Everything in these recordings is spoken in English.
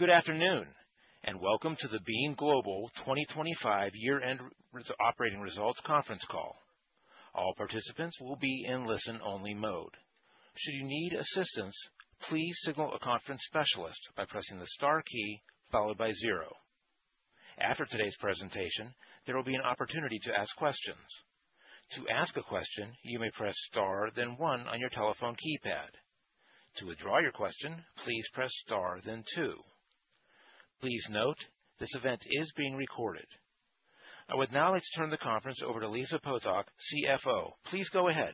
Good afternoon, and welcome to the Beam Global 2025 year-end operating results conference call. All participants will be in listen-only mode. Should you need assistance, please signal a conference specialist by pressing the star key followed by zero. After today's presentation, there will be an opportunity to ask questions. To ask a question, you may press star then one on your telephone keypad. To withdraw your question, please press star then two. Please note, this event is being recorded. I would now like to turn the conference over to Lisa Potok, CFO. Please go ahead.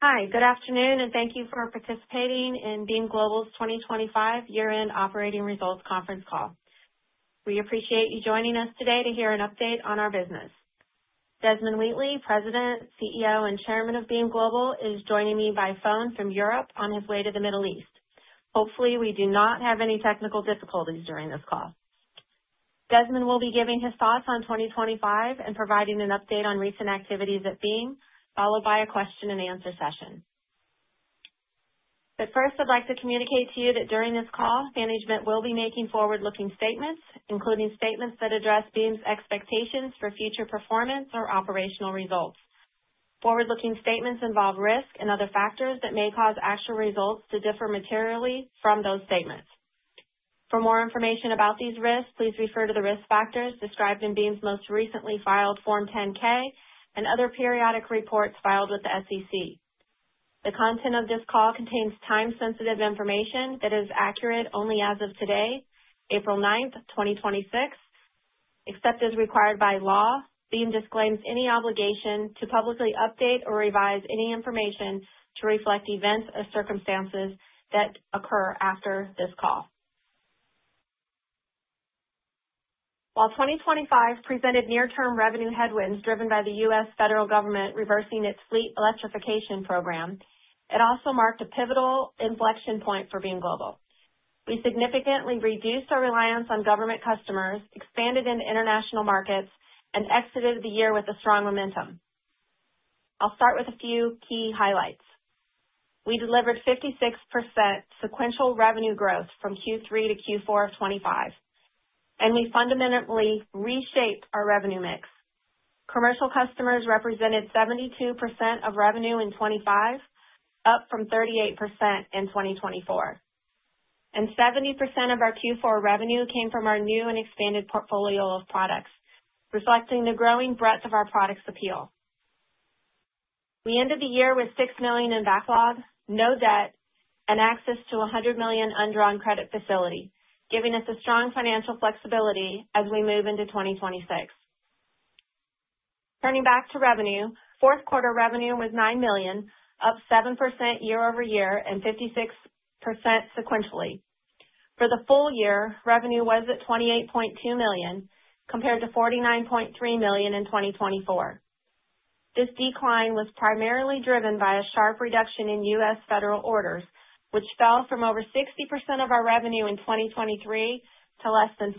Hi, good afternoon, and thank you for participating in Beam Global's 2025 year-end operating results conference call. We appreciate you joining us today to hear an update on our business. Desmond Wheatley, President, CEO, and Chairman of Beam Global, is joining me by phone from Europe on his way to the Middle East. Hopefully, we do not have any technical difficulties during this call. Desmond will be giving his thoughts on 2025 and providing an update on recent activities at Beam, followed by a question and answer session. First, I'd like to communicate to you that during this call, management will be making forward-looking statements, including statements that address Beam's expectations for future performance or operational results. Forward-looking statements involve risks and other factors that may cause actual results to differ materially from those statements. For more information about these risks, please refer to the risk factors described in Beam's most recently filed Form 10-K and other periodic reports filed with the SEC. The content of this call contains time-sensitive information that is accurate only as of today, April 9th, 2026. Except as required by law, Beam disclaims any obligation to publicly update or revise any information to reflect events or circumstances that occur after this call. While 2025 presented near-term revenue headwinds driven by the U.S. federal government reversing its fleet electrification program, it also marked a pivotal inflection point for Beam Global. We significantly reduced our reliance on government customers, expanded into international markets, and exited the year with a strong momentum. I'll start with a few key highlights. We delivered 56% sequential revenue growth from Q3 to Q4 of 2025, and we fundamentally reshaped our revenue mix. Commercial customers represented 72% of revenue in 2025, up from 38% in 2024. 70% of our Q4 revenue came from our new and expanded portfolio of products, reflecting the growing breadth of our products' appeal. We ended the year with $6 million in backlog, no debt, and access to $100 million undrawn credit facility, giving us a strong financial flexibility as we move into 2026. Turning back to revenue, fourth quarter revenue was $9 million, up 7% year-over-year and 56% sequentially. For the full year, revenue was at $28.2 million, compared to $49.3 million in 2024. This decline was primarily driven by a sharp reduction in U.S. federal orders, which fell from over 60% of our revenue in 2023 to less than 5%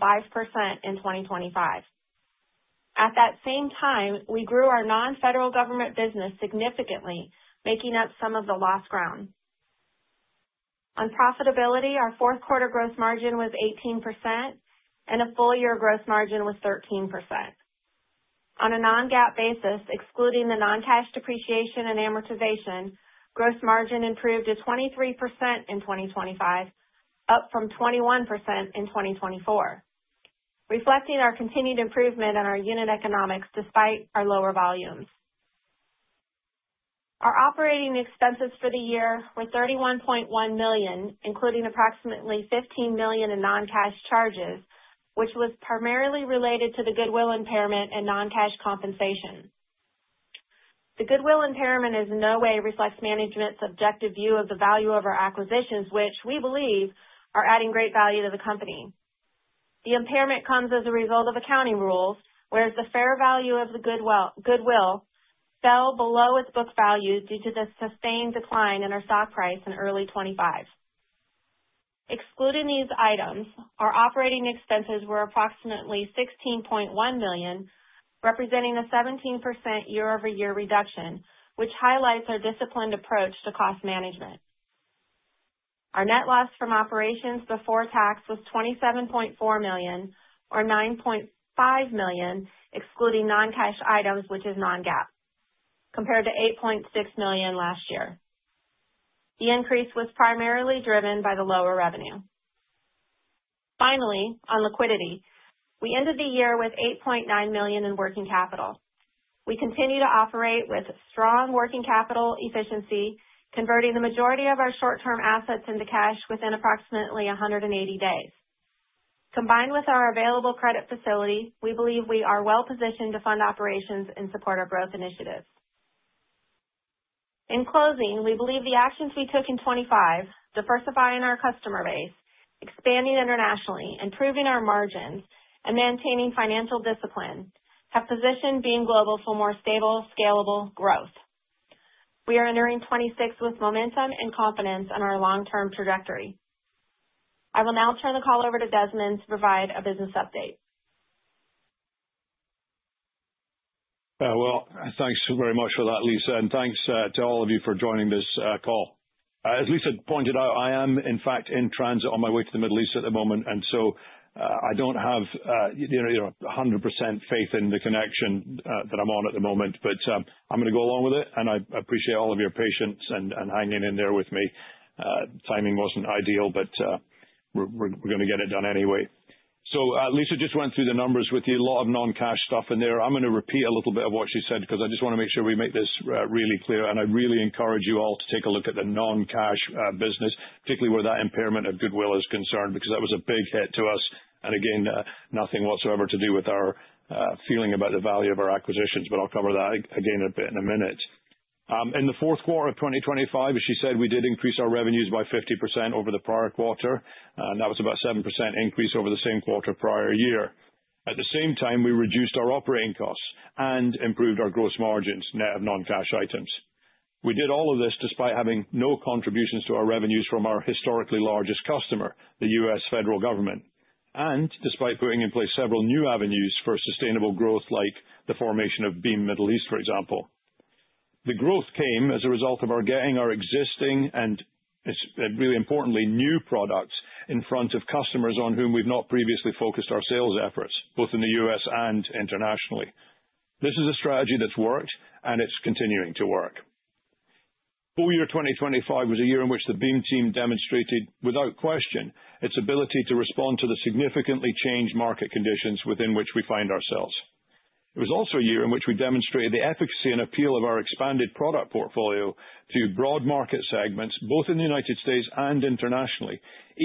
in 2025. At that same time, we grew our non-federal government business significantly, making up some of the lost ground. On profitability, our fourth quarter gross margin was 18%, and a full year gross margin was 13%. On a non-GAAP basis, excluding the non-cash depreciation and amortization, gross margin improved to 23% in 2025, up from 21% in 2024, reflecting our continued improvement in our unit economics despite our lower volumes. Our operating expenses for the year were $31.1 million, including approximately $15 million in non-cash charges, which was primarily related to the goodwill impairment and non-cash compensation. The goodwill impairment in no way reflects management's objective view of the value of our acquisitions, which we believe are adding great value to the company. The impairment comes as a result of accounting rules, whereas the fair value of the goodwill fell below its book value due to the sustained decline in our stock price in early 2025. Excluding these items, our operating expenses were approximately $16.1 million, representing a 17% year-over-year reduction, which highlights our disciplined approach to cost management. Our net loss from operations before tax was $27.4 million or $9.5 million excluding non-cash items, which is non-GAAP, compared to $8.6 million last year. The increase was primarily driven by the lower revenue. Finally, on liquidity, we ended the year with $8.9 million in working capital. We continue to operate with strong working capital efficiency, converting the majority of our short-term assets into cash within approximately 180 days. Combined with our available credit facility, we believe we are well positioned to fund operations and support our growth initiatives. In closing, we believe the actions we took in 2025, diversifying our customer base, expanding internationally, improving our margins, and maintaining financial discipline, have positioned Beam Global for more stable, scalable growth. We are entering 2026 with momentum and confidence in our long-term trajectory. I will now turn the call over to Desmond to provide a business update. Well, thanks very much for that, Lisa, and thanks to all of you for joining this call. As Lisa pointed out, I am in fact in transit on my way to the Middle East at the moment, and so, I don't have 100% faith in the connection that I'm on at the moment. I'm going to go along with it, and I appreciate all of your patience and hanging in there with me. Timing wasn't ideal, but we're going to get it done anyway. Lisa just went through the numbers with you. A lot of non-cash stuff in there. I'm going to repeat a little bit of what she said because I just want to make sure we make this really clear, and I really encourage you all to take a look at the non-cash business, particularly where that impairment of goodwill is concerned, because that was a big hit to us, and again, nothing whatsoever to do with our feeling about the value of our acquisitions. I'll cover that again in a minute. In the fourth quarter of 2025, as she said, we did increase our revenues by 50% over the prior quarter. That was about a 7% increase over the same quarter prior year. At the same time, we reduced our operating costs and improved our gross margins net of non-cash items. We did all of this despite having no contributions to our revenues from our historically largest customer, the U.S. federal government, and despite putting in place several new avenues for sustainable growth, like the formation of Beam Middle East, for example. The growth came as a result of our getting our existing, and really importantly, new products in front of customers on whom we've not previously focused our sales efforts, both in the U.S. and internationally. This is a strategy that's worked, and it's continuing to work. Full year 2025 was a year in which the Beam team demonstrated, without question, its ability to respond to the significantly changed market conditions within which we find ourselves. It was also a year in which we demonstrated the efficacy and appeal of our expanded product portfolio to broad market segments, both in the United States and internationally,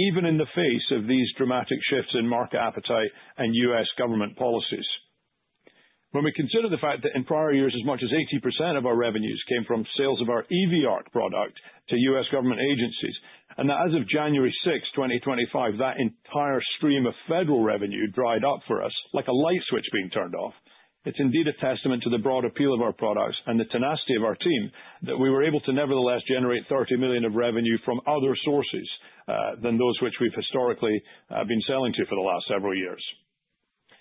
even in the face of these dramatic shifts in market appetite and U.S. government policies. When we consider the fact that in prior years, as much as 80% of our revenues came from sales of our EV ARC product to U.S. government agencies, and that as of January 6th, 2025, that entire stream of federal revenue dried up for us like a light switch being turned off. It's indeed a testament to the broad appeal of our products and the tenacity of our team that we were able to nevertheless generate $30 million of revenue from other sources than those which we've historically been selling to for the last several years.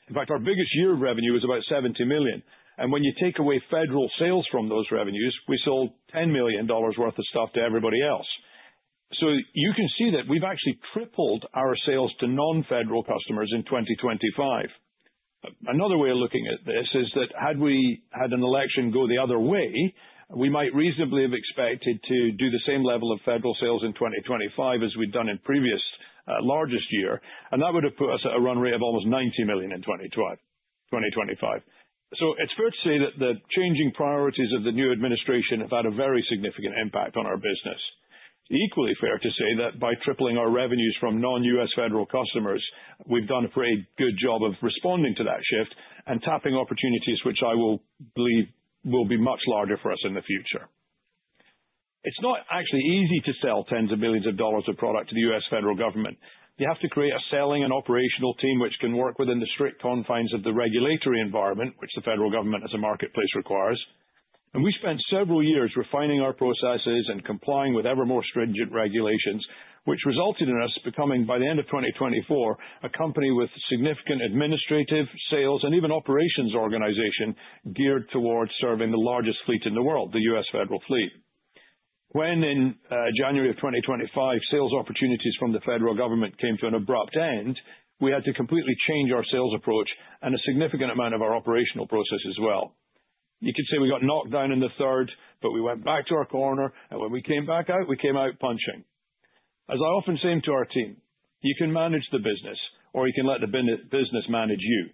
In fact, our biggest year of revenue was about $70 million. When you take away federal sales from those revenues, we sold $10 million worth of stuff to everybody else. You can see that we've actually tripled our sales to non-federal customers in 2025. Another way of looking at this is that had we had an election go the other way, we might reasonably have expected to do the same level of federal sales in 2025 as we'd done in previous largest year, and that would have put us at a run rate of almost $90 million in 2025. It's fair to say that the changing priorities of the new administration have had a very significant impact on our business. Equally fair to say that by tripling our revenues from non-U.S. federal customers, we've done a pretty good job of responding to that shift and tapping opportunities which I believe will be much larger for us in the future. It's not actually easy to sell $10s of millions of product to the U.S. federal government. You have to create a selling and operational team which can work within the strict confines of the regulatory environment which the federal government as a marketplace requires. We spent several years refining our processes and complying with ever more stringent regulations, which resulted in us becoming, by the end of 2024, a company with significant administrative, sales, and even operations organization geared towards serving the largest fleet in the world, the U.S. federal fleet. When in January of 2025, sales opportunities from the federal government came to an abrupt end, we had to completely change our sales approach and a significant amount of our operational process as well. You could say we got knocked down in the third, but we went back to our corner, and when we came back out, we came out punching. As I often say to our team, you can manage the business, or you can let the business manage you.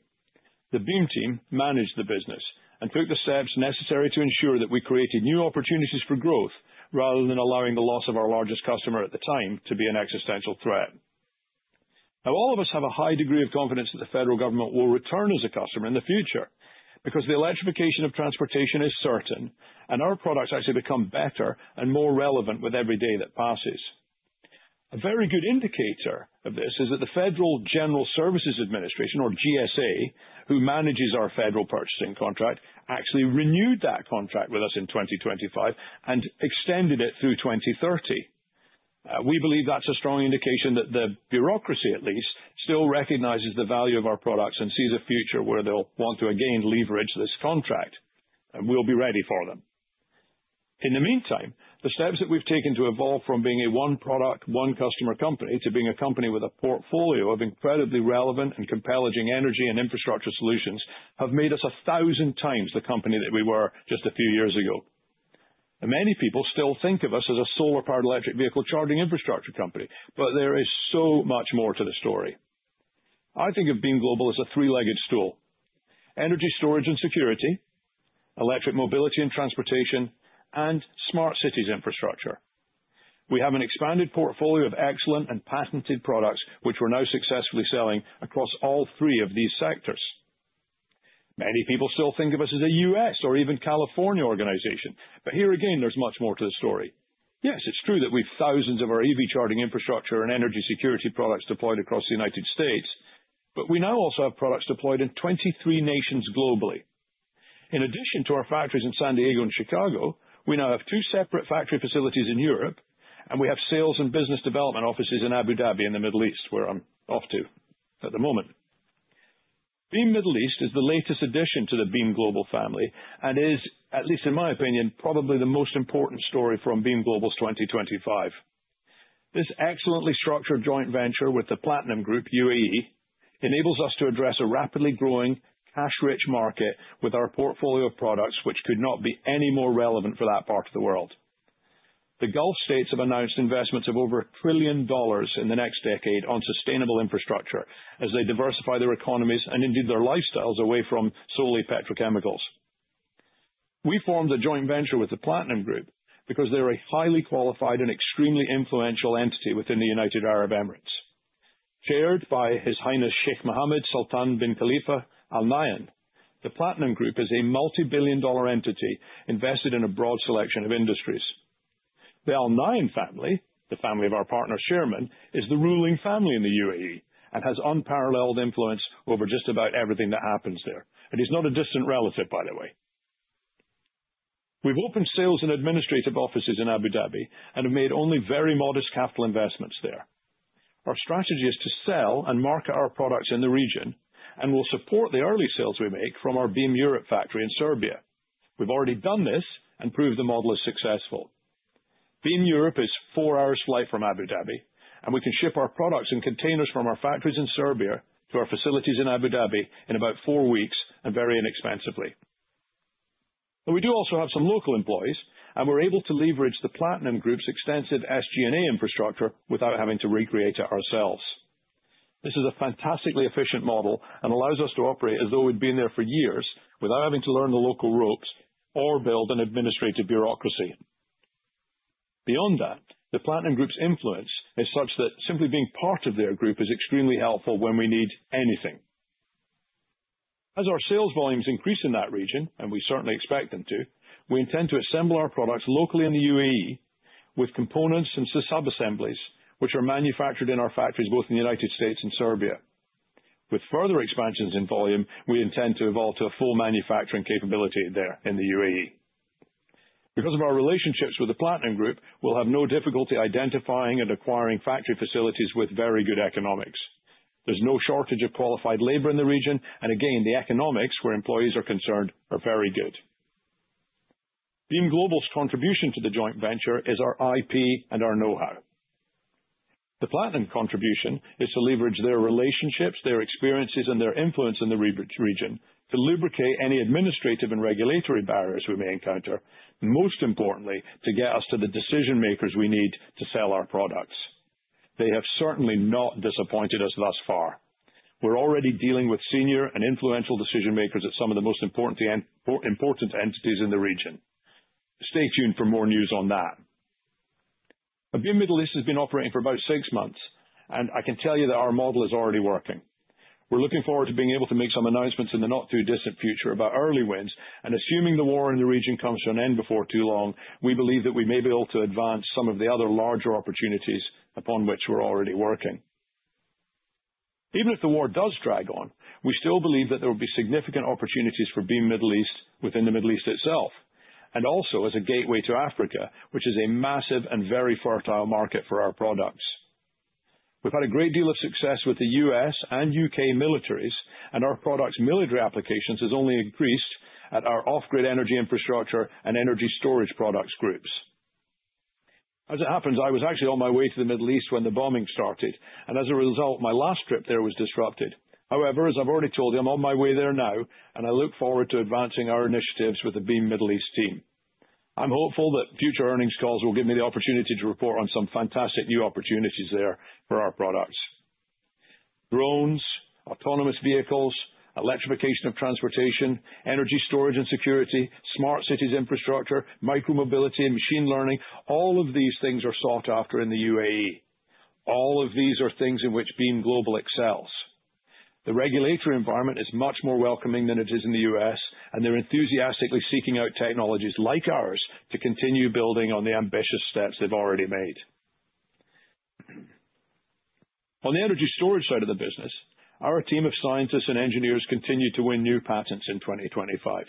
The Beam team managed the business and took the steps necessary to ensure that we created new opportunities for growth rather than allowing the loss of our largest customer at the time to be an existential threat. Now, all of us have a high degree of confidence that the federal government will return as a customer in the future because the electrification of transportation is certain, and our products actually become better and more relevant with every day that passes. A very good indicator of this is that the Federal General Services Administration or GSA, who manages our federal purchasing contract, actually renewed that contract with us in 2025 and extended it through 2030. We believe that's a strong indication that the bureaucracy at least still recognizes the value of our products and sees a future where they'll want to again leverage this contract, and we'll be ready for them. In the meantime, the steps that we've taken to evolve from being a one-product, one-customer company to being a company with a portfolio of incredibly relevant and compelling energy and infrastructure solutions have made us a thousand times the company that we were just a few years ago. Many people still think of us as a solar-powered electric vehicle charging infrastructure company. There is so much more to the story. I think of Beam Global as a three-legged stool. Energy storage and security, electric mobility and transportation, and smart cities infrastructure. We have an expanded portfolio of excellent and patented products which we're now successfully selling across all three of these sectors. Many people still think of us as a U.S. or even California organization, but here again, there's much more to the story. Yes, it's true that we've thousands of our EV charging infrastructure and energy security products deployed across the United States, but we now also have products deployed in 23 nations globally. In addition to our factories in San Diego and Chicago, we now have two separate factory facilities in Europe, and we have sales and business development offices in Abu Dhabi, in the Middle East, where I'm off to at the moment. Beam Middle East is the latest addition to the Beam Global family and is, at least in my opinion, probably the most important story from Beam Global's 2025. This excellently structured joint venture with the Platinum Group UAE enables us to address a rapidly growing, cash-rich market with our portfolio of products, which could not be any more relevant for that part of the world. The Gulf States have announced investments of over $1 trillion in the next decade on sustainable infrastructure as they diversify their economies and indeed their lifestyles away from solely petrochemicals. We formed a joint venture with the Platinum Group because they're a highly qualified and extremely influential entity within the United Arab Emirates. Chaired by His Highness Sheikh Mohammed bin Sultan bin Khalifa Al Nahyan, the Platinum Group is a multibillion-dollar entity invested in a broad selection of industries. The Al Nahyan family, the family of our partner's chairman, is the ruling family in the UAE and has unparalleled influence over just about everything that happens there, and he's not a distant relative, by the way. We've opened sales and administrative offices in Abu Dhabi and have made only very modest capital investments there. Our strategy is to sell and market our products in the region, and we'll support the early sales we make from our Beam Europe factory in Serbia. We've already done this and proved the model is successful. Beam Europe is four hours flight from Abu Dhabi, and we can ship our products in containers from our factories in Serbia to our facilities in Abu Dhabi in about four weeks and very inexpensively. We do also have some local employees, and we're able to leverage the Platinum Group's extensive SG&A infrastructure without having to recreate it ourselves. This is a fantastically efficient model and allows us to operate as though we've been there for years without having to learn the local ropes or build an administrative bureaucracy. Beyond that, the Platinum Group's influence is such that simply being part of their group is extremely helpful when we need anything. As our sales volumes increase in that region, and we certainly expect them to, we intend to assemble our products locally in the UAE with components and subassemblies, which are manufactured in our factories both in the United States and Serbia. With further expansions in volume, we intend to evolve to a full manufacturing capability there in the UAE. Because of our relationships with the Platinum Group, we'll have no difficulty identifying and acquiring factory facilities with very good economics. There's no shortage of qualified labor in the region, and again, the economics where employees are concerned are very good. Beam Global's contribution to the joint venture is our IP and our know-how. The Platinum contribution is to leverage their relationships, their experiences, and their influence in the region to lubricate any administrative and regulatory barriers we may encounter, and most importantly, to get us to the decision-makers we need to sell our products. They have certainly not disappointed us thus far. We're already dealing with senior and influential decision-makers at some of the most important entities in the region. Stay tuned for more news on that. Beam Middle East has been operating for about six months, and I can tell you that our model is already working. We're looking forward to being able to make some announcements in the not-too-distant future about early wins, and assuming the war in the region comes to an end before too long, we believe that we may be able to advance some of the other larger opportunities upon which we're already working. Even if the war does drag on, we still believe that there will be significant opportunities for Beam Middle East within the Middle East itself, and also as a gateway to Africa, which is a massive and very fertile market for our products. We've had a great deal of success with the U.S. and U.K. militaries, and our products' military applications has only increased at our off-grid energy infrastructure and energy storage products groups. As it happens, I was actually on my way to the Middle East when the bombing started. As a result, my last trip there was disrupted. However, as I've already told you, I'm on my way there now, and I look forward to advancing our initiatives with the Beam Middle East team. I'm hopeful that future earnings calls will give me the opportunity to report on some fantastic new opportunities there for our products. Drones, autonomous vehicles, electrification of transportation, energy storage and security, smart cities infrastructure, micro-mobility, and machine learning, all of these things are sought after in the UAE. All of these are things in which Beam Global excels. The regulatory environment is much more welcoming than it is in the U.S., and they're enthusiastically seeking out technologies like ours to continue building on the ambitious steps they've already made. On the energy storage side of the business, our team of scientists and engineers continued to win new patents in 2025.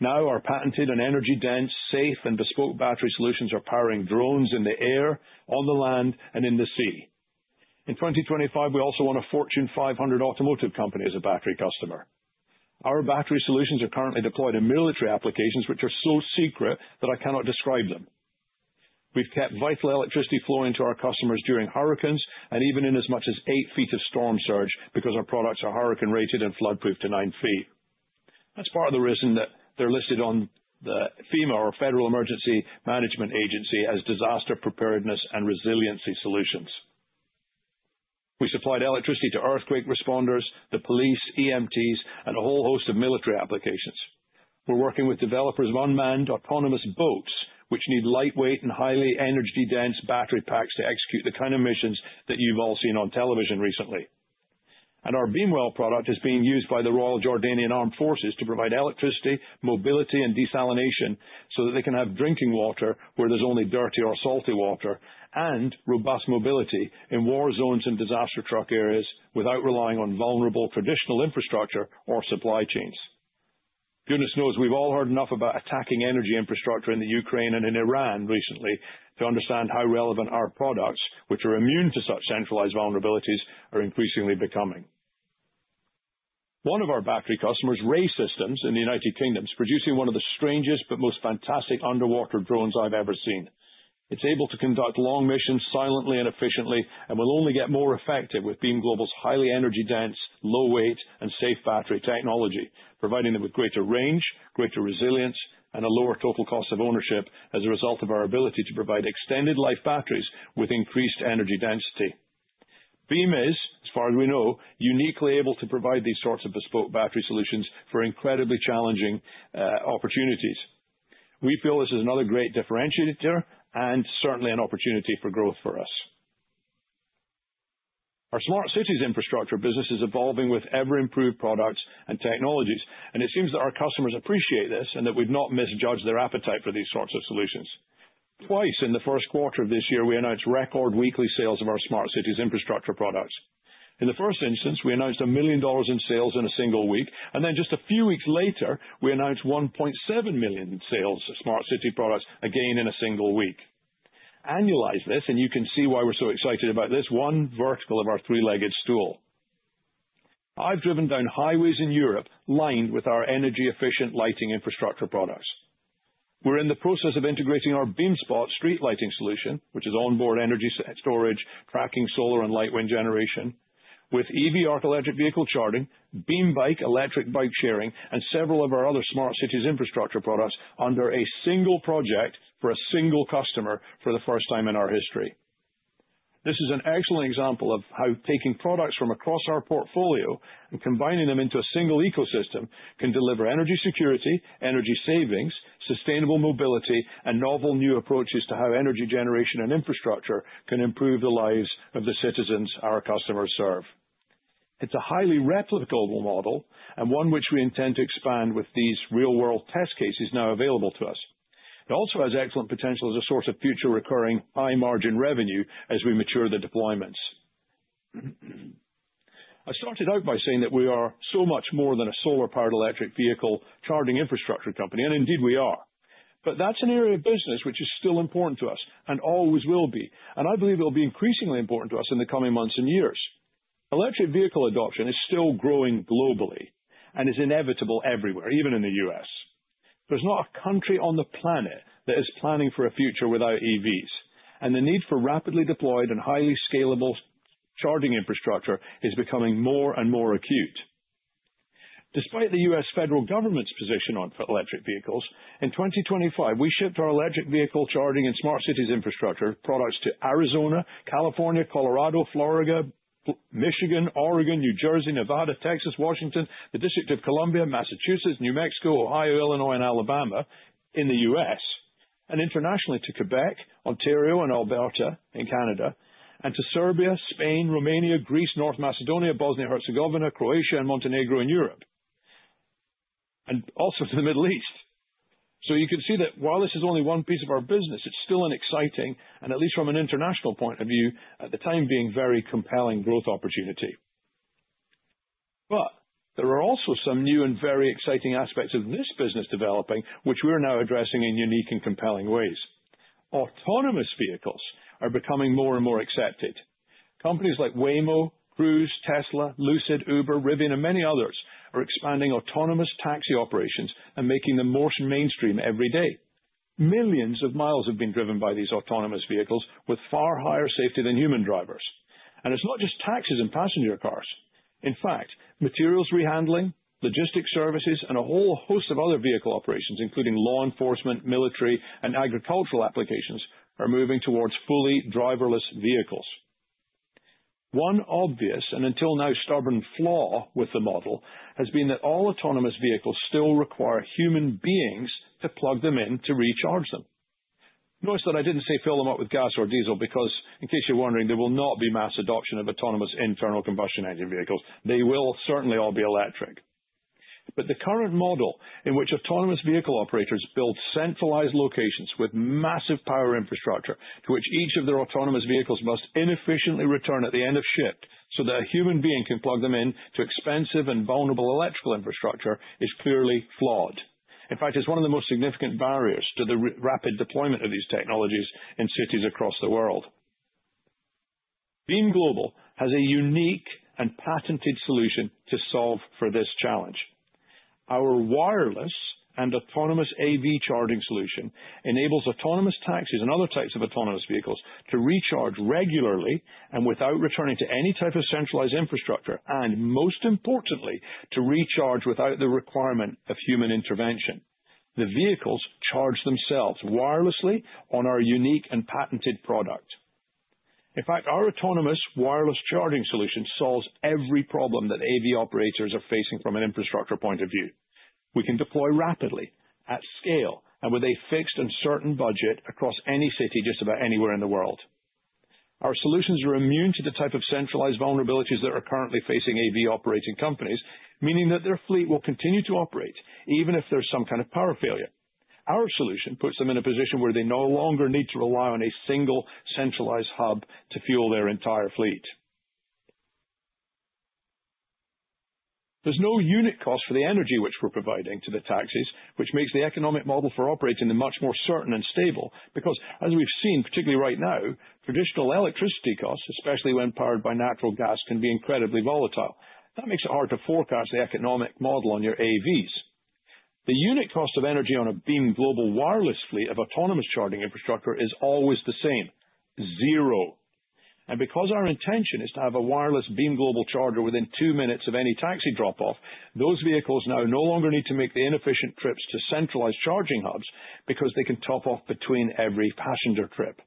Now, our patented and energy-dense, safe, and bespoke battery solutions are powering drones in the air, on the land, and in the sea. In 2025, we also won a Fortune 500 automotive company as a battery customer. Our battery solutions are currently deployed in military applications which are so secret that I cannot describe them. We've kept vital electricity flowing to our customers during hurricanes and even in as much as 8 ft of storm surge because our products are hurricane-rated and flood-proof to 9 ft. That's part of the reason that they're listed on the FEMA or Federal Emergency Management Agency as disaster preparedness and resiliency solutions. We supplied electricity to earthquake responders, the police, EMTs, and a whole host of military applications. We're working with developers of unmanned autonomous boats, which need lightweight and highly energy-dense battery packs to execute the kind of missions that you've all seen on television recently. Our BeamWell product is being used by the Royal Jordanian Armed Forces to provide electricity, mobility, and desalination so that they can have drinking water where there's only dirty or salty water, and robust mobility in war zones and disaster-struck areas without relying on vulnerable traditional infrastructure or supply chains. Goodness knows we've all heard enough about attacking energy infrastructure in Ukraine and in Iran recently to understand how relevant our products, which are immune to such centralized vulnerabilities, are increasingly becoming. One of our battery customers, Ray Systems in the United Kingdom, is producing one of the strangest but most fantastic underwater drones I've ever seen. It's able to conduct long missions silently and efficiently and will only get more effective with Beam Global's highly energy-dense, low-weight, and safe battery technology, providing them with greater range, greater resilience, and a lower total cost of ownership as a result of our ability to provide extended life batteries with increased energy density. Beam Global is, as far as we know, uniquely able to provide these sorts of bespoke battery solutions for incredibly challenging opportunities. We feel this is another great differentiator and certainly an opportunity for growth for us. Our smart cities infrastructure business is evolving with ever-improved products and technologies, and it seems that our customers appreciate this and that we've not misjudged their appetite for these sorts of solutions. Twice in the first quarter of this year, we announced record weekly sales of our smart cities infrastructure products. In the first instance, we announced $1 million in sales in a single week, and then just a few weeks later, we announced $1.7 million in sales of smart city products, again, in a single week. Annualize this, and you can see why we're so excited about this one vertical of our three-legged stool. I've driven down highways in Europe lined with our energy-efficient lighting infrastructure products. We're in the process of integrating our BeamSpot street lighting solution, which is onboard energy storage, tracking solar and light wind generation with EV ARC electric vehicle charging, BeamBike electric bike-sharing, and several of our other smart cities infrastructure products under a single project for a single customer for the first time in our history. This is an excellent example of how taking products from across our portfolio and combining them into a single ecosystem can deliver energy security, energy savings, sustainable mobility, and novel new approaches to how energy generation and infrastructure can improve the lives of the citizens our customers serve. It's a highly replicable model and one which we intend to expand with these real-world test cases now available to us. It also has excellent potential as a source of future recurring high-margin revenue as we mature the deployments. I started out by saying that we are so much more than a solar-powered electric vehicle charging infrastructure company, and indeed we are. That's an area of business which is still important to us and always will be. I believe it'll be increasingly important to us in the coming months and years. Electric vehicle adoption is still growing globally and is inevitable everywhere, even in the U.S. There's not a country on the planet that is planning for a future without EVs, and the need for rapidly deployed and highly scalable charging infrastructure is becoming more and more acute. Despite the U.S. federal government's position on electric vehicles, in 2025, we shipped our electric vehicle charging and smart cities infrastructure products to Arizona, California, Colorado, Florida, Michigan, Oregon, New Jersey, Nevada, Texas, Washington, the District of Columbia, Massachusetts, New Mexico, Ohio, Illinois, and Alabama in the U.S., and internationally to Quebec, Ontario, and Alberta in Canada, and to Serbia, Spain, Romania, Greece, North Macedonia, Bosnia and Herzegovina, Croatia, and Montenegro in Europe, and also to the Middle East. You can see that while this is only one piece of our business, it's still an exciting, and at least from an international point of view, at the time being very compelling growth opportunity. There are also some new and very exciting aspects of this business developing, which we are now addressing in unique and compelling ways. Autonomous vehicles are becoming more and more accepted. Companies like Waymo, Cruise, Tesla, Lucid, Uber, Rivian, and many others are expanding autonomous taxi operations and making them more mainstream every day. Millions of miles have been driven by these autonomous vehicles with far higher safety than human drivers. It's not just taxis and passenger cars. In fact, materials rehandling, logistics services, and a whole host of other vehicle operations, including law enforcement, military, and agricultural applications, are moving towards fully driverless vehicles. One obvious, and until now, stubborn flaw with the model has been that all autonomous vehicles still require human beings to plug them in to recharge them. Notice that I didn't say fill them up with gas or diesel because, in case you're wondering, there will not be mass adoption of autonomous internal combustion engine vehicles. They will certainly all be electric. The current model in which autonomous vehicle operators build centralized locations with massive power infrastructure to which each of their autonomous vehicles must inefficiently return at the end of shift so that a human being can plug them into expensive and vulnerable electrical infrastructure is clearly flawed. In fact, it's one of the most significant barriers to the rapid deployment of these technologies in cities across the world. Beam Global has a unique and patented solution to solve for this challenge. Our wireless and autonomous AV charging solution enables autonomous taxis and other types of autonomous vehicles to recharge regularly and without returning to any type of centralized infrastructure, and most importantly, to recharge without the requirement of human intervention. The vehicles charge themselves wirelessly on our unique and patented product. In fact, our autonomous wireless charging solution solves every problem that AV operators are facing from an infrastructure point of view. We can deploy rapidly, at scale, and with a fixed and certain budget across any city, just about anywhere in the world. Our solutions are immune to the type of centralized vulnerabilities that are currently facing AV operating companies, meaning that their fleet will continue to operate even if there's some kind of power failure. Our solution puts them in a position where they no longer need to rely on a single centralized hub to fuel their entire fleet. There's no unit cost for the energy which we're providing to the taxis, which makes the economic model for operating them much more certain and stable. Because as we've seen, particularly right now, traditional electricity costs, especially when powered by natural gas, can be incredibly volatile. That makes it hard to forecast the economic model on your AVs. The unit cost of energy on a Beam Global wireless fleet of autonomous charging infrastructure is always the same, zero. Because our intention is to have a wireless Beam Global charger within two minutes of any taxi drop-off, those vehicles now no longer need to make the inefficient trips to centralized charging hubs because they can top off between every passenger trip.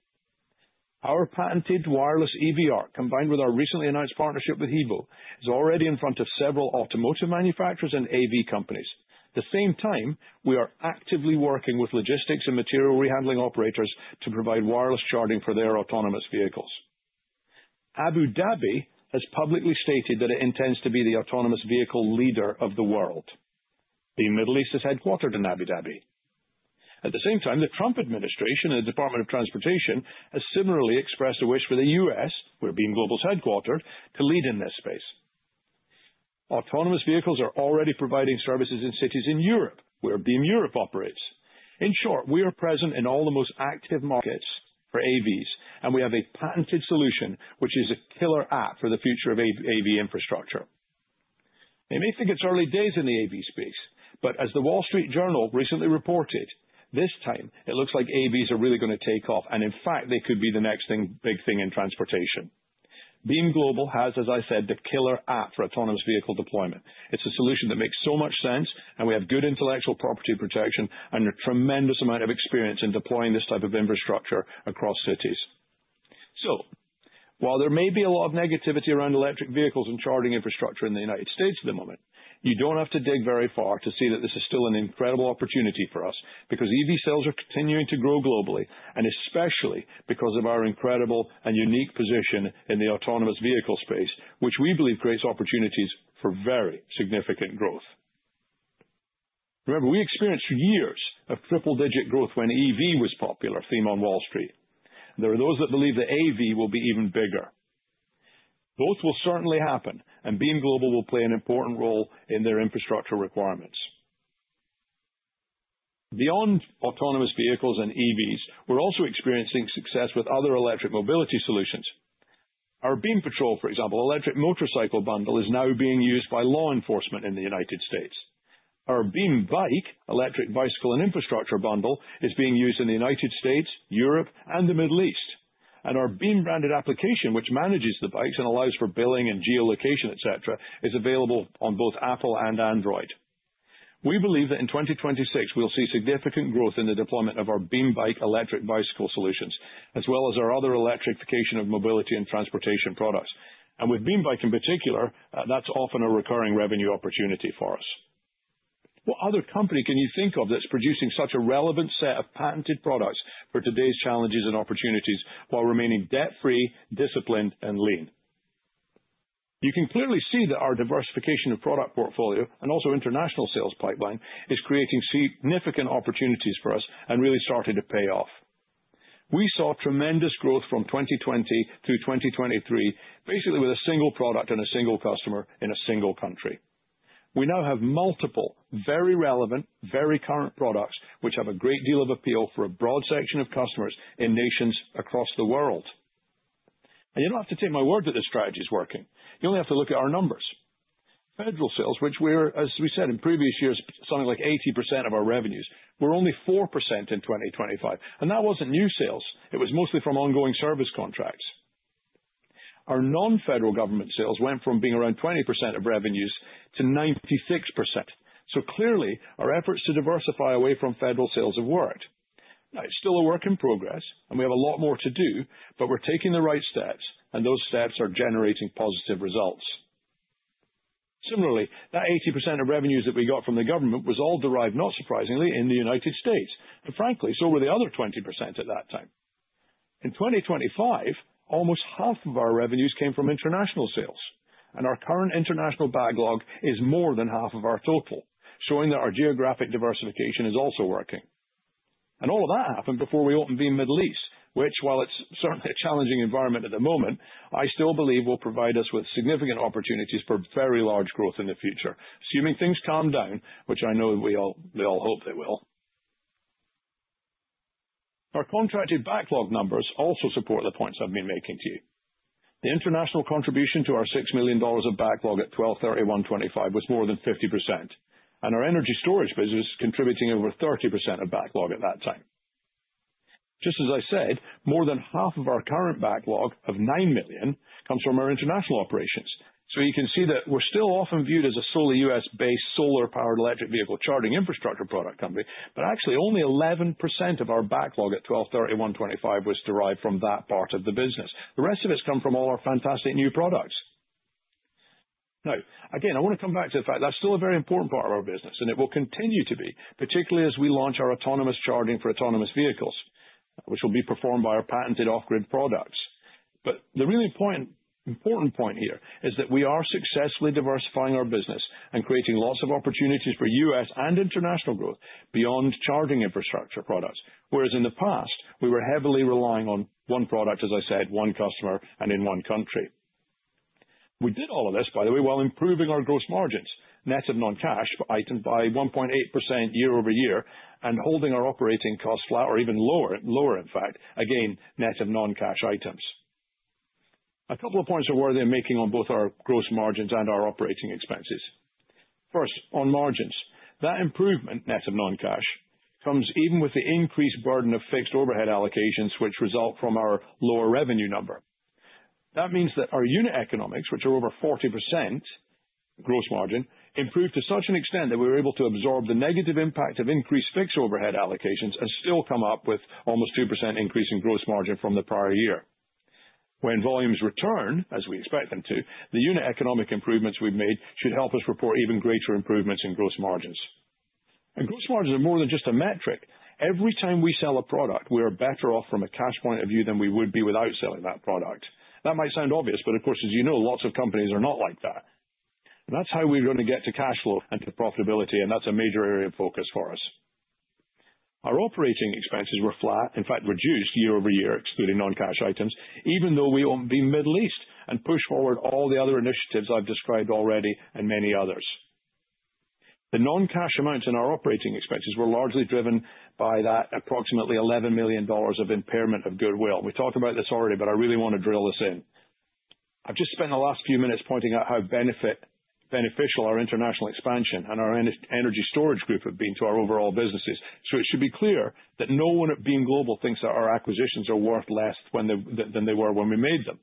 Our patented wireless EV ARC, combined with our recently announced partnership with HEVO, is already in front of several automotive manufacturers and AV companies. At the same time, we are actively working with logistics and material rehandling operators to provide wireless charging for their autonomous vehicles. Abu Dhabi has publicly stated that it intends to be the autonomous vehicle leader of the world. Beam Middle East is headquartered in Abu Dhabi. At the same time, the Trump Administration and the Department of Transportation has similarly expressed a wish for the U.S., where Beam Global is headquartered, to lead in this space. Autonomous vehicles are already providing services in cities in Europe, where Beam Europe operates. In short, we are present in all the most active markets for AVs, and we have a patented solution, which is a killer app for the future of AV infrastructure. Many think it's early days in the AV space, but as "The Wall Street Journal" recently reported, this time it looks like AVs are really going to take off, and in fact, they could be the next big thing in transportation. Beam Global has, as I said, the killer app for autonomous vehicle deployment. It's a solution that makes so much sense, and we have good intellectual property protection and a tremendous amount of experience in deploying this type of infrastructure across cities. While there may be a lot of negativity around electric vehicles and charging infrastructure in the United States at the moment, you don't have to dig very far to see that this is still an incredible opportunity for us, because EV sales are continuing to grow globally, and especially because of our incredible and unique position in the autonomous vehicle space, which we believe creates opportunities for very significant growth. Remember, we experienced years of triple-digit growth when EV was popular theme on Wall Street. There are those that believe that AV will be even bigger. Both will certainly happen, and Beam Global will play an important role in their infrastructure requirements. Beyond autonomous vehicles and EVs, we're also experiencing success with other electric mobility solutions. Our BeamPatrol, for example, electric motorcycle bundle, is now being used by law enforcement in the United States. Our Beam Bike, electric bicycle and infrastructure bundle, is being used in the United States, Europe, and the Middle East. Our Beam-branded application, which manages the bikes and allows for billing and geolocation, et cetera, is available on both Apple and Android. We believe that in 2026, we'll see significant growth in the deployment of our Beam Bike electric bicycle solutions, as well as our other electrification of mobility and transportation products. With Beam Bike in particular, that's often a recurring revenue opportunity for us. What other company can you think of that's producing such a relevant set of patented products for today's challenges and opportunities while remaining debt-free, disciplined, and lean? You can clearly see that our diversification of product portfolio and also international sales pipeline is creating significant opportunities for us and really starting to pay off. We saw tremendous growth from 2020 through 2023, basically with a single product and a single customer in a single country. We now have multiple, very relevant, very current products, which have a great deal of appeal for a broad section of customers in nations across the world. You don't have to take my word that this strategy is working. You only have to look at our numbers. Federal sales, which were, as we said in previous years, something like 80% of our revenues, were only 4% in 2025. That wasn't new sales. It was mostly from ongoing service contracts. Our non-federal government sales went from being around 20% of revenues to 96%. Clearly, our efforts to diversify away from federal sales have worked. Now, it's still a work in progress, and we have a lot more to do, but we're taking the right steps, and those steps are generating positive results. Similarly, that 80% of revenues that we got from the government was all derived, not surprisingly, in the United States. But frankly, so were the other 20% at that time. In 2025, almost half of our revenues came from international sales, and our current international backlog is more than half of our total, showing that our geographic diversification is also working. All of that happened before we opened Beam Middle East, which while it's certainly a challenging environment at the moment, I still believe will provide us with significant opportunities for very large growth in the future, assuming things calm down, which I know we all hope they will. Our contracted backlog numbers also support the points I've been making to you. The international contribution to our $6 million of backlog at 12/31/2025 was more than 50%, and our energy storage business contributing over 30% of backlog at that time. Just as I said, more than half of our current backlog of $9 million comes from our international operations. You can see that we're still often viewed as a solely U.S.-based solar-powered electric vehicle charging infrastructure product company. Actually only 11% of our backlog at 12/31/2025 was derived from that part of the business. The rest of it has come from all our fantastic new products. Now, again, I want to come back to the fact that's still a very important part of our business, and it will continue to be, particularly as we launch our autonomous charging for autonomous vehicles, which will be performed by our patented off-grid products. The really important point here is that we are successfully diversifying our business and creating lots of opportunities for U.S. and international growth beyond charging infrastructure products. Whereas in the past, we were heavily relying on one product, as I said, one customer, and in one country. We did all of this, by the way, while improving our gross margins, net of non-cash items by 1.8% year-over-year and holding our operating costs flat or even lower, in fact. Again, net of non-cash items. A couple of points are worth making on both our gross margins and our operating expenses. First, on margins. That improvement, net of non-cash, comes even with the increased burden of fixed overhead allocations, which result from our lower revenue number. That means that our unit economics, which are over 40% gross margin, improved to such an extent that we were able to absorb the negative impact of increased fixed overhead allocations and still come up with almost 2% increase in gross margin from the prior year. When volumes return, as we expect them to, the unit economic improvements we've made should help us report even greater improvements in gross margins. Gross margins are more than just a metric. Every time we sell a product, we are better off from a cash point of view than we would be without selling that product. That might sound obvious, but of course, as you know, lots of companies are not like that. That's how we're going to get to cash flow and to profitability, and that's a major area of focus for us. Our operating expenses were flat, in fact, reduced year-over-year, excluding non-cash items, even though we own Beam Middle East and push forward all the other initiatives I've described already and many others. The non-cash amounts in our operating expenses were largely driven by that approximately $11 million of impairment of goodwill. We talked about this already, but I really want to drill this in. I've just spent the last few minutes pointing out how beneficial our international expansion and our energy storage group have been to our overall businesses. It should be clear that no one at Beam Global thinks that our acquisitions are worth less than they were when we made them.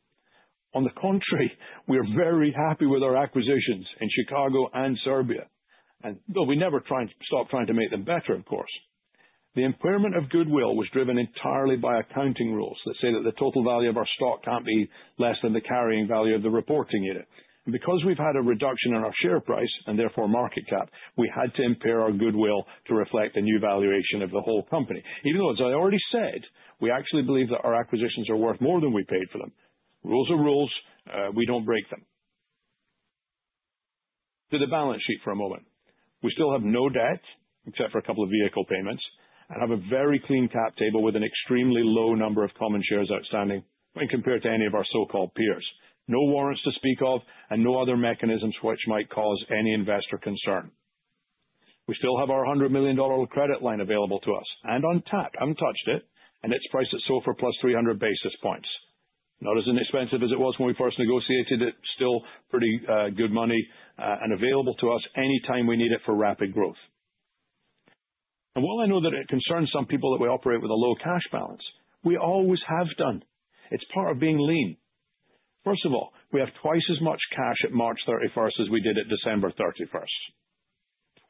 On the contrary, we are very happy with our acquisitions in Chicago and Serbia, and though we never stop trying to make them better, of course. The impairment of goodwill was driven entirely by accounting rules that say that the total value of our stock can't be less than the carrying value of the reporting unit. Because we've had a reduction in our share price, and therefore market cap, we had to impair our goodwill to reflect a new valuation of the whole company, even though, as I already said, we actually believe that our acquisitions are worth more than we paid for them. Rules are rules. We don't break them. To the balance sheet for a moment. We still have no debt, except for a couple of vehicle payments, and have a very clean cap table with an extremely low number of common shares outstanding when compared to any of our so-called peers. No warrants to speak of and no other mechanisms which might cause any investor concern. We still have our $100 million credit line available to us and on tap. Untouched, it is priced at SOFR plus 300 basis points. Not as inexpensive as it was when we first negotiated it. Still pretty good money, and available to us anytime we need it for rapid growth. While I know that it concerns some people that we operate with a low cash balance, we always have done. It is part of being lean. First of all, we have twice as much cash at March 31st as we did at December 31st.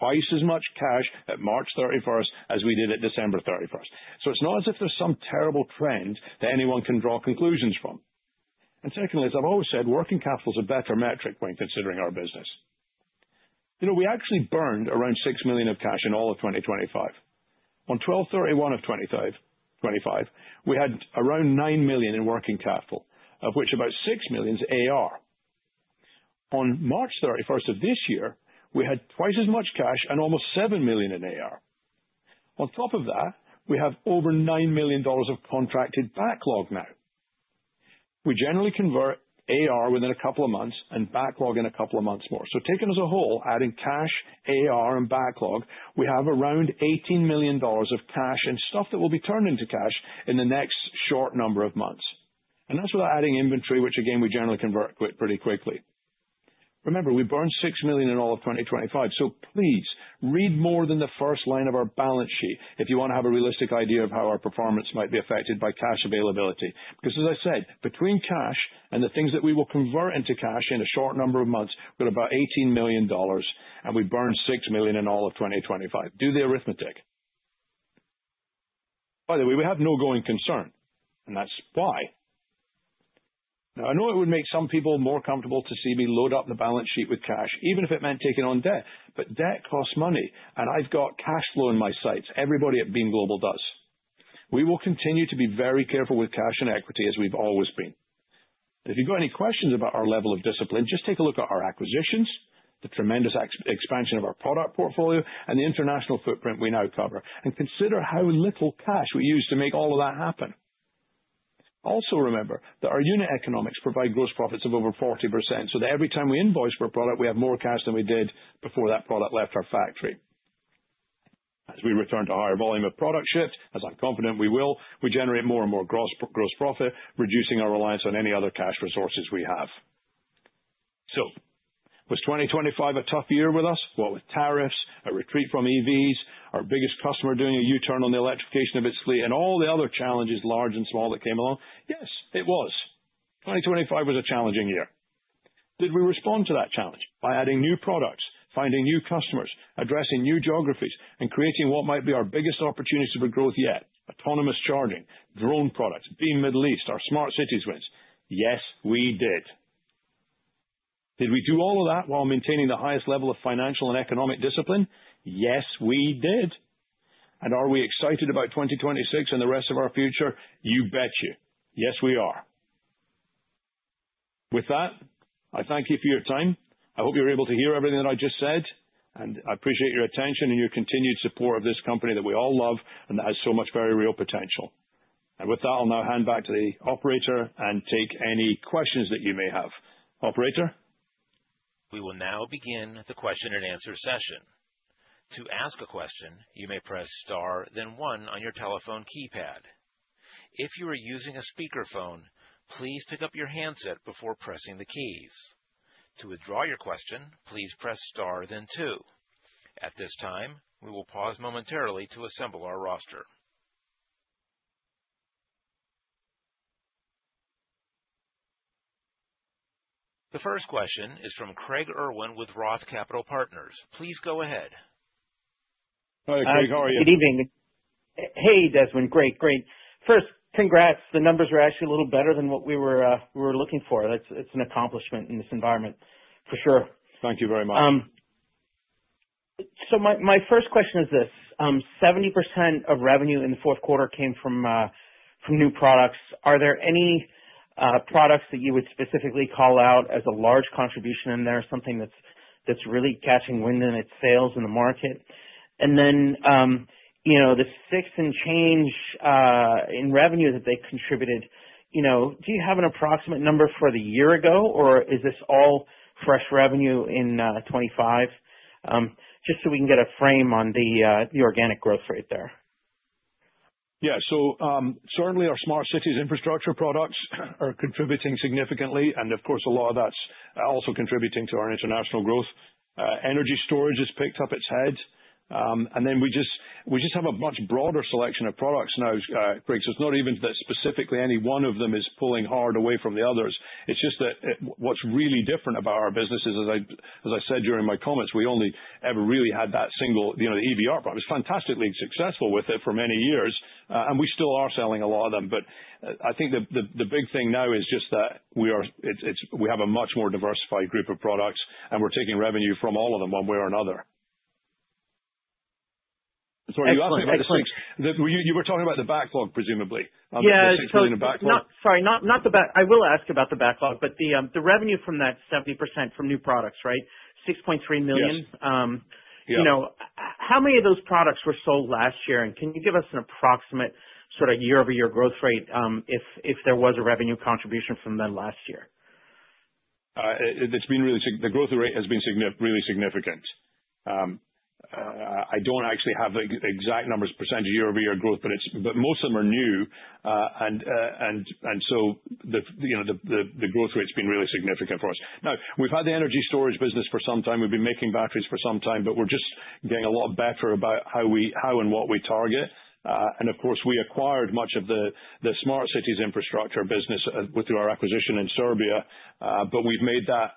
Twice as much cash at March 31st as we did at December 31st. It's not as if there's some terrible trend that anyone can draw conclusions from. Secondly, as I've always said, working capital is a better metric when considering our business. We actually burned around $6 million of cash in all of 2025. On December 31, 2025, we had around $9 million in working capital, of which about $6 million is AR. On March 31st of this year, we had twice as much cash and almost $7 million in AR. On top of that, we have over $9 million of contracted backlog now. We generally convert AR within a couple of months and backlog in a couple of months more. Taken as a whole, adding cash, AR, and backlog, we have around $18 million of cash and stuff that will be turned into cash in the next short number of months. That's without adding inventory, which again, we generally convert pretty quickly. Remember, we burned $6 million in all of 2025, so please read more than the first line of our balance sheet if you want to have a realistic idea of how our performance might be affected by cash availability. Because as I said, between cash and the things that we will convert into cash in a short number of months, we've got about $18 million, and we burned $6 million in all of 2025. Do the arithmetic. By the way, we have no going concern, and that's why. Now, I know it would make some people more comfortable to see me load up the balance sheet with cash, even if it meant taking on debt. But debt costs money, and I've got cash flow in my sights. Everybody at Beam Global does. We will continue to be very careful with cash and equity, as we've always been. If you've got any questions about our level of discipline, just take a look at our acquisitions, the tremendous expansion of our product portfolio, and the international footprint we now cover, and consider how little cash we used to make all of that happen. Also remember that our unit economics provide gross profits of over 40%, so that every time we invoice for a product, we have more cash than we did before that product left our factory. As we return to higher volume of product shipped, as I'm confident we will, we generate more and more gross profit, reducing our reliance on any other cash resources we have. Was 2025 a tough year with us? What with tariffs, a retreat from EVs, our biggest customer doing a U-turn on the electrification of its fleet, and all the other challenges, large and small, that came along? Yes, it was. 2025 was a challenging year. Did we respond to that challenge by adding new products, finding new customers, addressing new geographies, and creating what might be our biggest opportunity for growth yet? Autonomous charging, drone products, Beam Middle East, our smart cities wins. Yes, we did. Did we do all of that while maintaining the highest level of financial and economic discipline? Yes, we did. Are we excited about 2026 and the rest of our future? You betcha. Yes, we are. With that, I thank you for your time. I hope you were able to hear everything that I just said, and I appreciate your attention and your continued support of this company that we all love and that has so much very real potential. With that, I'll now hand back to the operator and take any questions that you may have. Operator? We will now begin the question-and-answer session. To ask a question, you may press star then one on your telephone keypad. If you are using a speakerphone, please pick up your handset before pressing the keys. To withdraw your question, please press star then two. At this time, we will pause momentarily to assemble our roster. The first question is from Craig Irwin with Roth Capital Partners. Please go ahead. Hi, Craig. How are you? Good evening. Hey, Desmond. Great. First, congrats. The numbers are actually a little better than what we were looking for. It's an accomplishment in this environment for sure. Thank you very much. My first question is this: 70% of revenue in the fourth quarter came from new products. Are there any products that you would specifically call out as a large contribution in there, something that's really catching wind in its sales in the market? And then, the six and change in revenue that they contributed, do you have an approximate number for the year ago, or is this all fresh revenue in 2025? Just so we can get a frame on the organic growth rate there. Yeah. Certainly our smart cities infrastructure products are contributing significantly, and of course, a lot of that's also contributing to our international growth. Energy storage has picked up its head. Then we just have a much broader selection of products now, Craig. It's not even that specifically any one of them is pulling hard away from the others. It's just that what's really different about our business is, as I said during my comments, we only ever really had that single EV ARC product that was fantastically successful with it for many years, and we still are selling a lot of them. I think the big thing now is just that we have a much more diversified group of products, and we're taking revenue from all of them one way or another. Sorry, you asked me about the six. Excellent. You were talking about the backlog, presumably. Yeah. The six being the backlog. Sorry, I will ask about the backlog, but the revenue from that 70% from new products, right? $6.3 million. Yes. How many of those products were sold last year, and can you give us an approximate sort of year-over-year growth rate, if there was a revenue contribution from them last year? The growth rate has been really significant. I don't actually have the exact numbers percentage year-over-year growth, but most of them are new. The growth rate's been really significant for us. Now, we've had the energy storage business for some time. We've been making batteries for some time, but we're just getting a lot better about how and what we target. Of course, we acquired much of the smart cities infrastructure business through our acquisition in Serbia. We've made that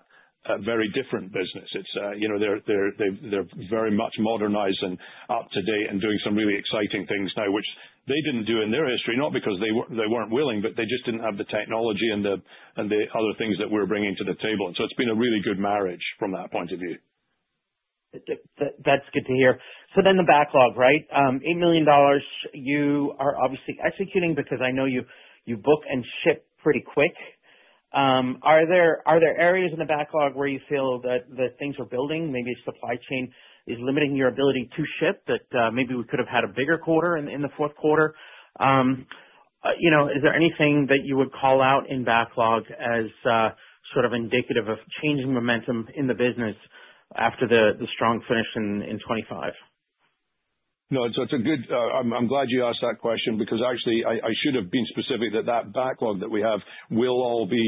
a very different business. They're very much modernized and up to date and doing some really exciting things now, which they didn't do in their history, not because they weren't willing, but they just didn't have the technology and the other things that we're bringing to the table. It's been a really good marriage from that point of view. That's good to hear. The backlog, right? $8 million, you are obviously executing because I know you book and ship pretty quick. Are there areas in the backlog where you feel that things were building, maybe supply chain is limiting your ability to ship, that maybe we could have had a bigger quarter in the fourth quarter? Is there anything that you would call out in backlog as sort of indicative of changing momentum in the business after the strong finish in 2025? No. I'm glad you asked that question because actually, I should have been specific that that backlog that we have will all be,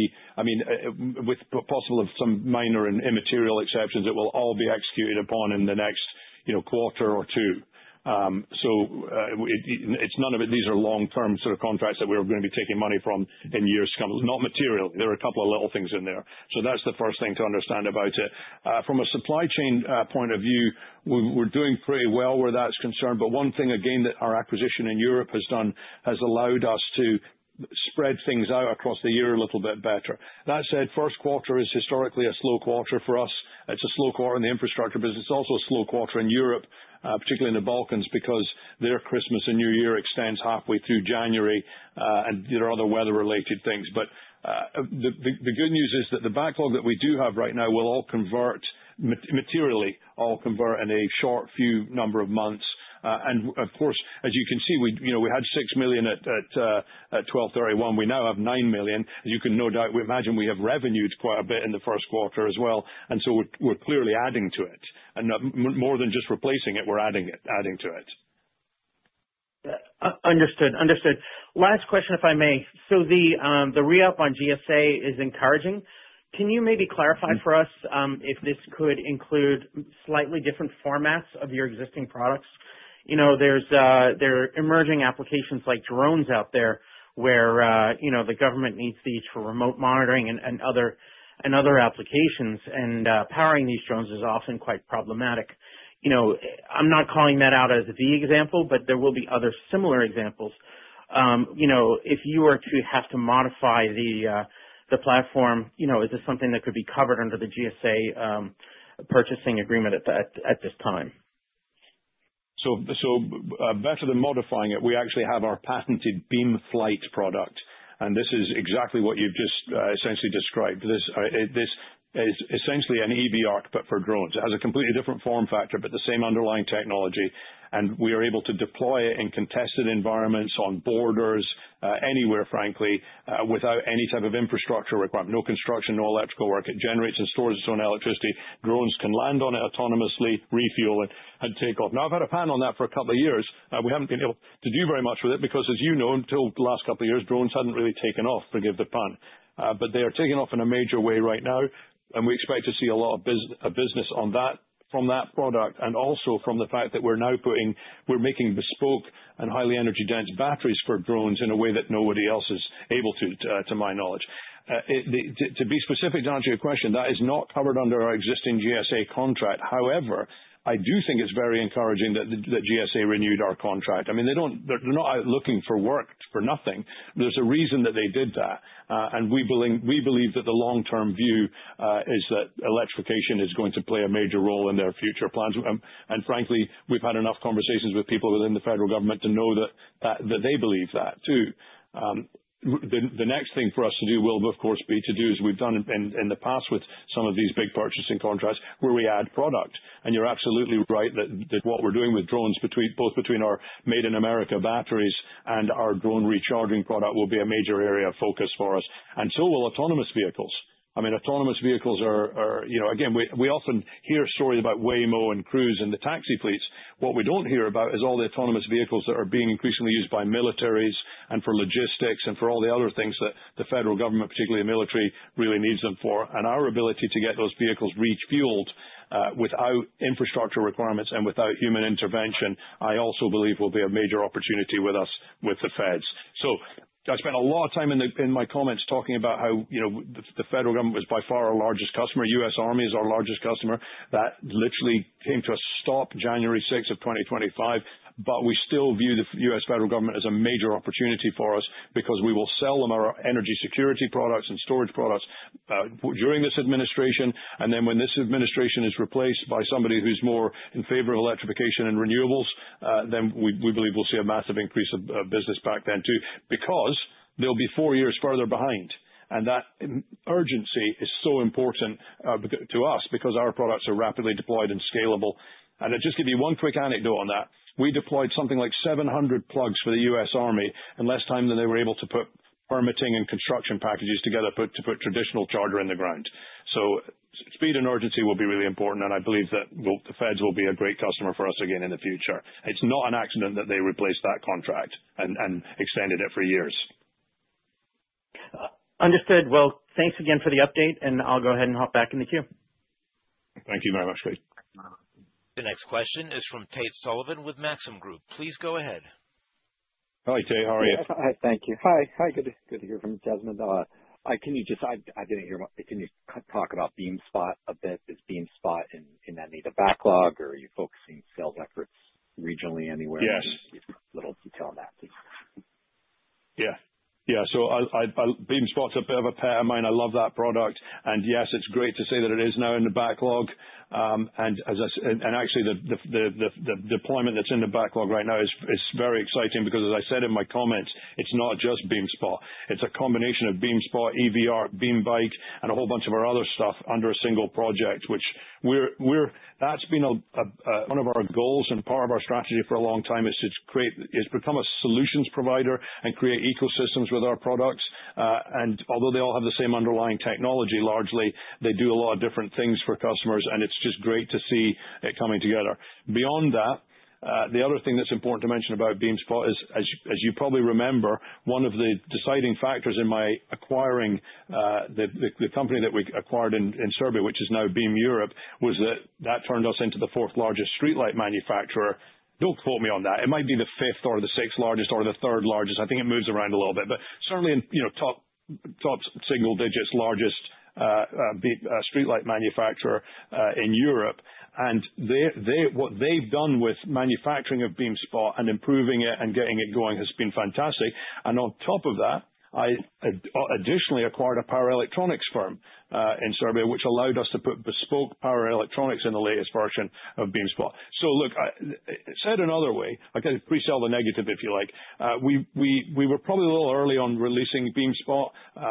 with possible of some minor and immaterial exceptions, it will all be executed upon in the next quarter or two. None of it, these are long-term sort of contracts that we're going to be taking money from in years to come. Not material. There are a couple of little things in there. That's the first thing to understand about it. From a supply chain point of view, we're doing pretty well where that's concerned. One thing again that our acquisition in Europe has done, has allowed us to spread things out across the year a little bit better. That said, first quarter is historically a slow quarter for us. It's a slow quarter in the infrastructure business. It's also a slow quarter in Europe, particularly in the Balkans, because their Christmas and New Year extends halfway through January, and there are other weather-related things. The good news is that the backlog that we do have right now will all convert materially in a short few number of months. Of course, as you can see, we had $6 million at 12/31. We now have $9 million. As you can no doubt imagine, we have revenued quite a bit in the first quarter as well, and so we're clearly adding to it. More than just replacing it, we're adding to it. Understood. Last question, if I may. The re-up on GSA is encouraging. Can you maybe clarify for us if this could include slightly different formats of your existing products? There are emerging applications like drones out there where the government needs these for remote monitoring and other applications. Powering these drones is often quite problematic. I'm not calling that out as the example, but there will be other similar examples. If you were to have to modify the platform, is this something that could be covered under the GSA purchasing agreement at this time? Better than modifying it, we actually have our patented Beam Flight product. This is exactly what you've just essentially described. This is essentially an EV ARC, but for drones. It has a completely different form factor, but the same underlying technology, and we are able to deploy it in contested environments, on borders, anywhere, frankly, without any type of infrastructure requirement. No construction, no electrical work. It generates and stores its own electricity. Drones can land on it autonomously, refuel, and take off. Now, I've had a patent on that for a couple of years. We haven't been able to do very much with it because as you know, until the last couple of years, drones hadn't really taken off, forgive the pun. They are taking off in a major way right now, and we expect to see a lot of business from that product, and also from the fact that we're now making bespoke and highly energy-dense batteries for drones in a way that nobody else is able to my knowledge. To be specific, to answer your question, that is not covered under our existing GSA contract. However, I do think it's very encouraging that GSA renewed our contract. They're not out looking for work for nothing. There's a reason that they did that. We believe that the long-term view is that electrification is going to play a major role in their future plans. Frankly, we've had enough conversations with people within the federal government to know that they believe that, too. The next thing for us to do will, of course, be to do as we've done in the past with some of these big purchasing contracts, where we add product. You're absolutely right that what we're doing with drones, both between our Made in America batteries and our drone recharging product, will be a major area of focus for us, and so will autonomous vehicles. Autonomous vehicles are, again, we often hear stories about Waymo and Cruise and the taxi fleets. What we don't hear about is all the autonomous vehicles that are being increasingly used by militaries and for logistics and for all the other things that the federal government, particularly the military, really needs them for. Our ability to get those vehicles refueled without infrastructure requirements and without human intervention, I also believe will be a major opportunity with us with the feds. I spent a lot of time in my comments talking about how the federal government was by far our largest customer. U.S. Army is our largest customer. That literally came to a stop January 6 of 2025. We still view the U.S. federal government as a major opportunity for us because we will sell them our energy security products and storage products during this administration. When this administration is replaced by somebody who's more in favor of electrification and renewables, we believe we'll see a massive increase of business back then, too. Because they'll be four years further behind, and that urgency is so important to us because our products are rapidly deployed and scalable. To just give you one quick anecdote on that, we deployed something like 700 plugs for the U.S. Army in less time than they were able to put permitting and construction packages together to put traditional charger in the ground. Speed and urgency will be really important, and I believe that the feds will be a great customer for us again in the future. It's not an accident that they replaced that contract and extended it for years. Understood. Well, thanks again for the update, and I'll go ahead and hop back in the queue. Thank you very much. The next question is from Tate Sullivan with Maxim Group. Please go ahead. Hi, Tate. How are you? Hi. Thank you. Hi, good to hear from you, Desmond. Can you just, I didn't hear. Can you talk about BeamSpot a bit? Is BeamSpot in any of the backlog, or are you focusing sales efforts regionally anywhere? Yes. A little detail on that, please. Yeah. BeamSpot's a bit of a pet of mine. I love that product. Yes, it's great to say that it is now in the backlog. Actually, the deployment that's in the backlog right now is very exciting because, as I said in my comments, it's not just BeamSpot. It's a combination of BeamSpot, EV ARC, BeamBike, and a whole bunch of our other stuff under a single project, which that's been one of our goals and part of our strategy for a long time, is become a solutions provider and create ecosystems with our products. Although they all have the same underlying technology, largely, they do a lot of different things for customers, and it's just great to see it coming together. Beyond that, the other thing that's important to mention about BeamSpot is, as you probably remember, one of the deciding factors in my acquiring the company that we acquired in Serbia, which is now Beam Europe, was that that turned us into the fourth largest streetlight manufacturer. Don't quote me on that. It might be the fifth or the sixth largest or the third largest. I think it moves around a little bit, but certainly in top single digits, largest streetlight manufacturer in Europe. What they've done with manufacturing of BeamSpot and improving it and getting it going has been fantastic. On top of that, I additionally acquired a power electronics firm, in Serbia, which allowed us to put bespoke power electronics in the latest version of BeamSpot. Look, said another way, I can pre-sell the negative, if you like. We were probably a little early on releasing BeamSpot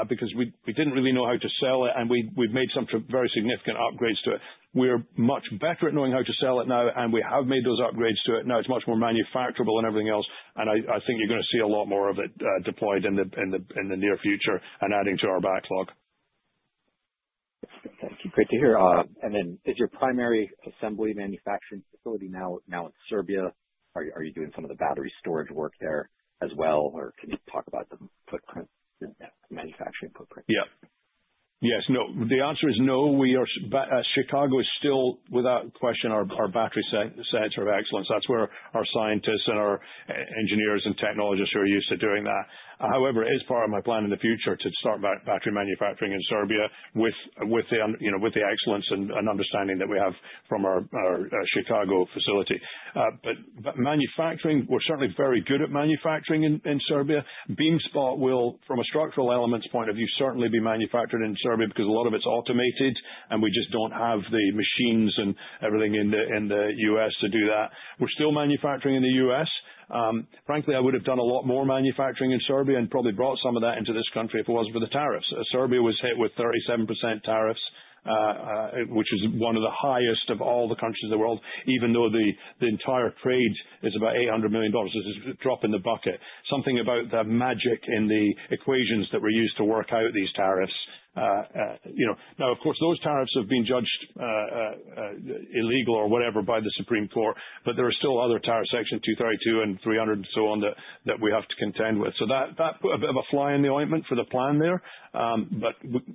because we didn't really know how to sell it, and we've made some very significant upgrades to it. We're much better at knowing how to sell it now, and we have made those upgrades to it. Now it's much more manufacturable and everything else, and I think you're going to see a lot more of it deployed in the near future and adding to our backlog. Thank you. Great to hear. Is your primary assembly manufacturing facility now in Serbia? Are you doing some of the battery storage work there as well, or can you talk about the footprint, manufacturing footprint? Yeah. Yes. No. The answer is no. Chicago is still, without question, our battery center of excellence. That's where our scientists and our engineers and technologists are used to doing that. However, it is part of my plan in the future to start battery manufacturing in Serbia with the excellence and understanding that we have from our Chicago facility. Manufacturing, we're certainly very good at manufacturing in Serbia. BeamSpot will, from a structural elements point of view, certainly be manufactured in Serbia because a lot of it's automated and we just don't have the machines and everything in the U.S. to do that. We're still manufacturing in the U.S. Frankly, I would have done a lot more manufacturing in Serbia and probably brought some of that into this country if it wasn't for the tariffs. Serbia was hit with 37% tariffs, which is one of the highest of all the countries in the world, even though the entire trade is about $800 million. It's a drop in the bucket. Something about the magic in the equations that were used to work out these tariffs. Now, of course, those tariffs have been judged illegal or whatever by the Supreme Court, but there are still other tariffs, Section 232 and 301 and so on that we have to contend with. That put a bit of a fly in the ointment for the plan there.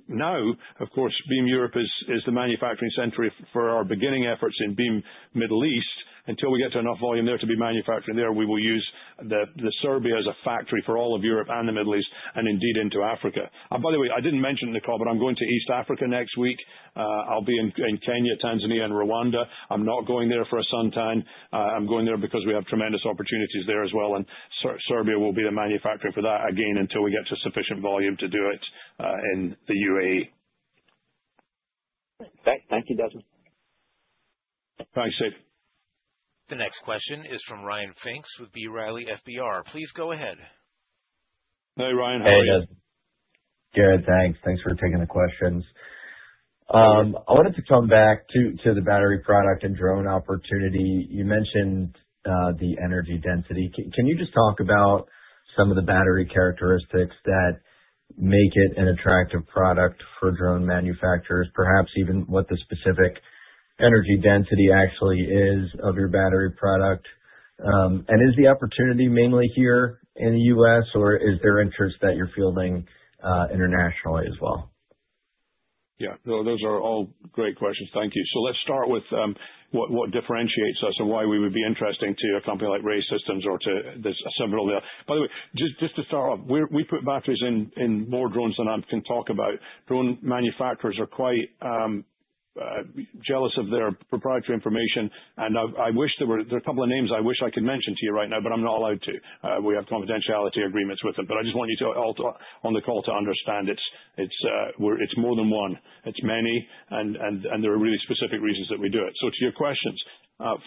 Now, of course, Beam Europe is the manufacturing center for our beginning efforts in Beam Middle East. Until we get to enough volume there to be manufacturing there, we will use Serbia as a factory for all of Europe and the Middle East and indeed into Africa. By the way, I didn't mention it in the call, but I'm going to East Africa next week. I'll be in Kenya, Tanzania, and Rwanda. I'm not going there for a suntan. I'm going there because we have tremendous opportunities there as well, and Serbia will be the manufacturer for that, again, until we get to sufficient volume to do it in the UAE. Thank you, Desmond. Thanks, Tate. The next question is from Ryan Pfingst with B Riley Securities. Please go ahead. Hey, Ryan. How are you? Hey, guys. Good, thanks. Thanks for taking the questions. I wanted to come back to the battery product and drone opportunity. You mentioned the energy density. Can you just talk about some of the battery characteristics that make it an attractive product for drone manufacturers? Perhaps even what the specific energy density actually is of your battery product. Is the opportunity mainly here in the U.S., or is there interest that you're fielding internationally as well? Yeah. Those are all great questions. Thank you. Let's start with what differentiates us and why we would be interesting to a company like Ray Systems or to theirs. Several there. By the way, just to start off, we put batteries in more drones than I can talk about. Drone manufacturers are quite jealous of their proprietary information, and there are a couple of names I wish I could mention to you right now, but I'm not allowed to. We have confidentiality agreements with them. I just want you all on the call to understand it's more than one. It's many, and there are really specific reasons that we do it. To your questions.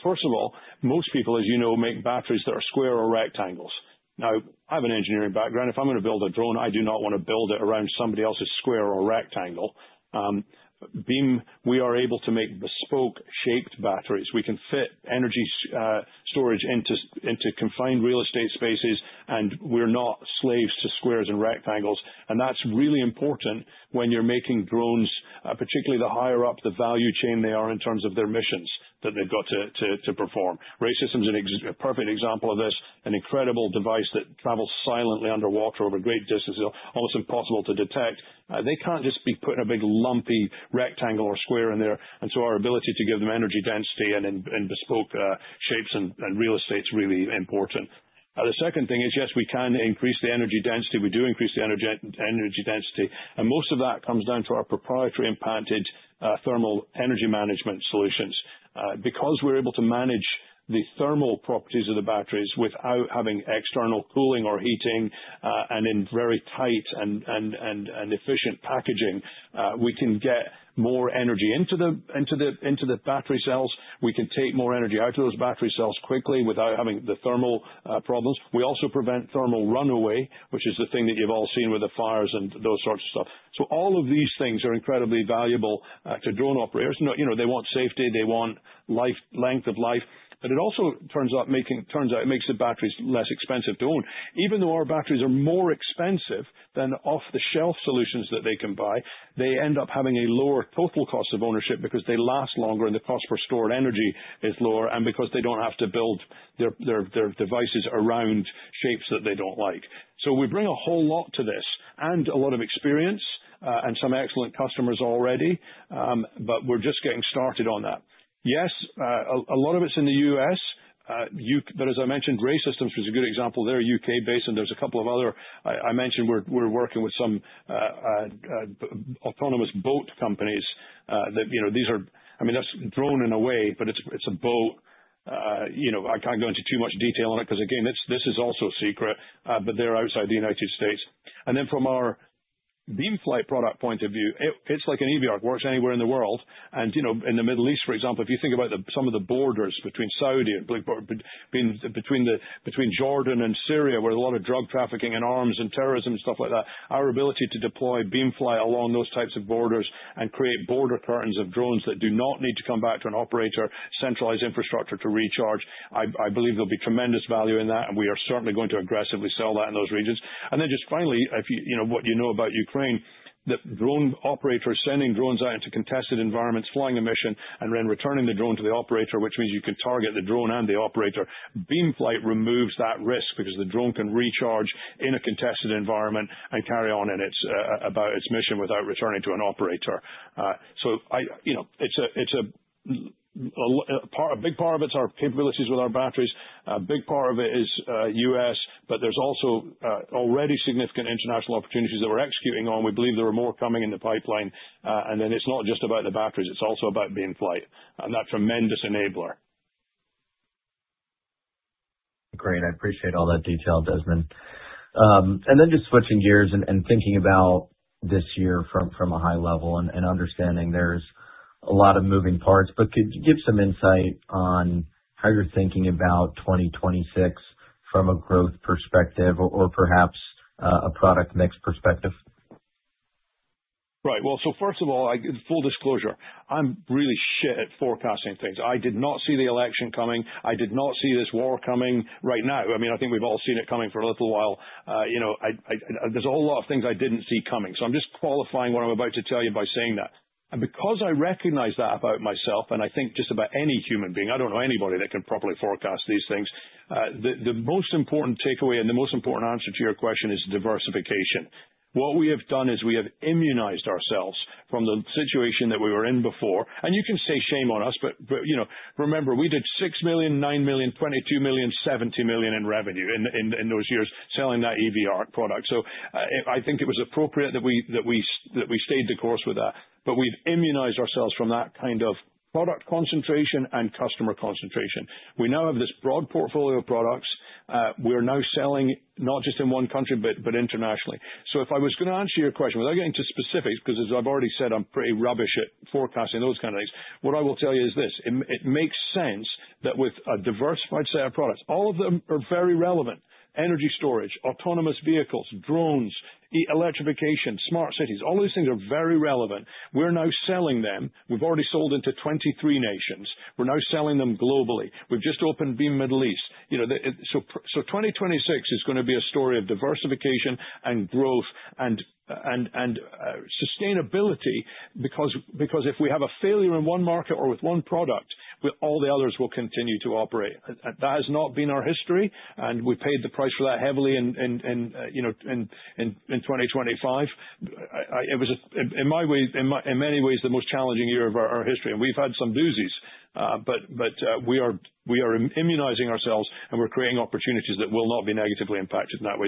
First of all, most people, as you know, make batteries that are square or rectangles. Now, I have an engineering background. If I'm going to build a drone, I do not want to build it around somebody else's square or rectangle. Beam, we are able to make bespoke shaped batteries. We can fit energy storage into confined real estate spaces, and we're not slaves to squares and rectangles, and that's really important when you're making drones, particularly the higher up the value chain they are in terms of their missions that they've got to perform. Ray Systems is a perfect example of this, an incredible device that travels silently underwater over great distances, almost impossible to detect. They can't just be putting a big lumpy rectangle or square in there. Our ability to give them energy density and bespoke shapes and real estate is really important. The second thing is, yes, we can increase the energy density. We do increase the energy density, and most of that comes down to our proprietary and patented thermal energy management solutions. Because we're able to manage the thermal properties of the batteries without having external cooling or heating, and in very tight and efficient packaging, we can get more energy into the battery cells. We can take more energy out of those battery cells quickly without having the thermal problems. We also prevent thermal runaway, which is the thing that you've all seen with the fires and those sorts of stuff. All of these things are incredibly valuable to drone operators. They want safety. They want length of life. It also turns out it makes the batteries less expensive to own. Even though our batteries are more expensive than off-the-shelf solutions that they can buy, they end up having a lower total cost of ownership because they last longer and the cost per stored energy is lower, and because they don't have to build their devices around shapes that they don't like. We bring a whole lot to this and a lot of experience, and some excellent customers already, but we're just getting started on that. Yes, a lot of it's in the U.S. As I mentioned, Ray Systems is a good example. They're U.K.-based, and there's a couple of other, I mentioned we're working with some autonomous boat companies. That's drone in a way, but it's a boat. I can't go into too much detail on it because, again, this is also secret. They're outside the United States. Then from our Beam Flight product point of view, it's like an EVR. It works anywhere in the world. In the Middle East, for example, if you think about some of the borders between Saudi, between Jordan and Syria, where there's a lot of drug trafficking and arms and terrorism and stuff like that, our ability to deploy Beam Flight along those types of borders and create border patterns of drones that do not need to come back to an operator, centralized infrastructure to recharge, I believe there'll be tremendous value in that, and we are certainly going to aggressively sell that in those regions. Just finally, what you know about Ukraine, that drone operators sending drones out into contested environments, flying a mission, and then returning the drone to the operator, which means you can target the drone and the operator. Beam Flight removes that risk because the drone can recharge in a contested environment and carry on about its mission without returning to an operator. A big part of it is our capabilities with our batteries. A big part of it is U.S., but there's also already significant international opportunities that we're executing on. We believe there are more coming in the pipeline. Then it's not just about the batteries, it's also about Beam Flight and that tremendous enabler. Great. I appreciate all that detail, Desmond. Just switching gears and thinking about this year from a high level and understanding there's a lot of moving parts, but could you give some insight on how you're thinking about 2026 from a growth perspective or perhaps a product mix perspective? Right. Well, first of all, full disclosure, I'm really shit at forecasting things. I did not see the election coming. I did not see this war coming right now. I think we've all seen it coming for a little while. There's a whole lot of things I didn't see coming. I'm just qualifying what I'm about to tell you by saying that. Because I recognize that about myself, and I think just about any human being, I don't know anybody that can properly forecast these things. The most important takeaway and the most important answer to your question is diversification. What we have done is we have immunized ourselves from the situation that we were in before, and you can say shame on us, but remember, we did $6 million, $9 million, $22 million, $70 million in revenue in those years selling that EV ARC product. I think it was appropriate that we stayed the course with that. We've immunized ourselves from that kind of product concentration and customer concentration. We now have this broad portfolio of products. We're now selling not just in one country, but internationally. If I was going to answer your question without getting into specifics, because as I've already said, I'm pretty rubbish at forecasting those kind of things. What I will tell you is this, it makes sense that with a diversified set of products, all of them are very relevant. Energy storage, autonomous vehicles, drones, electrification, smart cities, all these things are very relevant. We're now selling them. We've already sold into 23 nations. We're now selling them globally. We've just opened Beam Middle East. 2026 is going to be a story of diversification and growth and sustainability because if we have a failure in one market or with one product, all the others will continue to operate. That has not been our history, and we paid the price for that heavily in 2025. It was, in many ways, the most challenging year of our history, and we've had some doozies. We are immunizing ourselves, and we're creating opportunities that will not be negatively impacted in that way.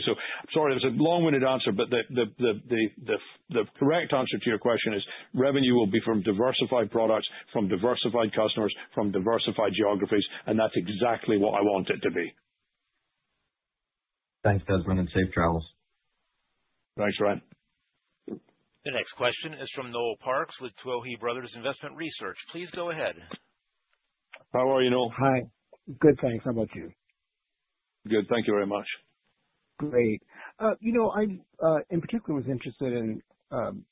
Sorry, that was a long-winded answer, but the correct answer to your question is, revenue will be from diversified products, from diversified customers, from diversified geographies, and that's exactly what I want it to be. Thanks, Desmond, and safe travels. Thanks, Ryan. The next question is from Noel Parks with Tuohy Brothers Investment Research. Please go ahead. How are you, Noel? Hi. Good, thanks. How about you? Good. Thank you very much. Great. I, in particular, was interested in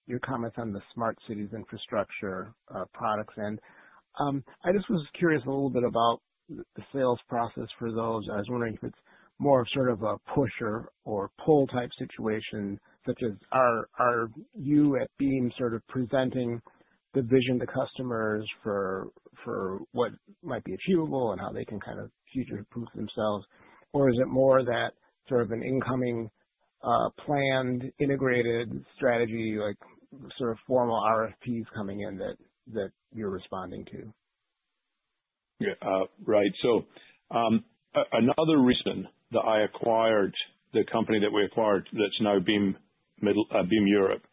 your comments on the smart cities infrastructure products, and I just was curious a little bit about the sales process for those. I was wondering if it's more of sort of a push or pull type situation, such as are you at Beam sort of presenting the vision to customers for what might be achievable and how they can kind of future-proof themselves? Or is it more that sort of an incoming planned integrated strategy, like sort of formal RFPs coming in that you're responding to? Yeah. Right. Another reason that I acquired the company that we acquired, that's now Beam Europe,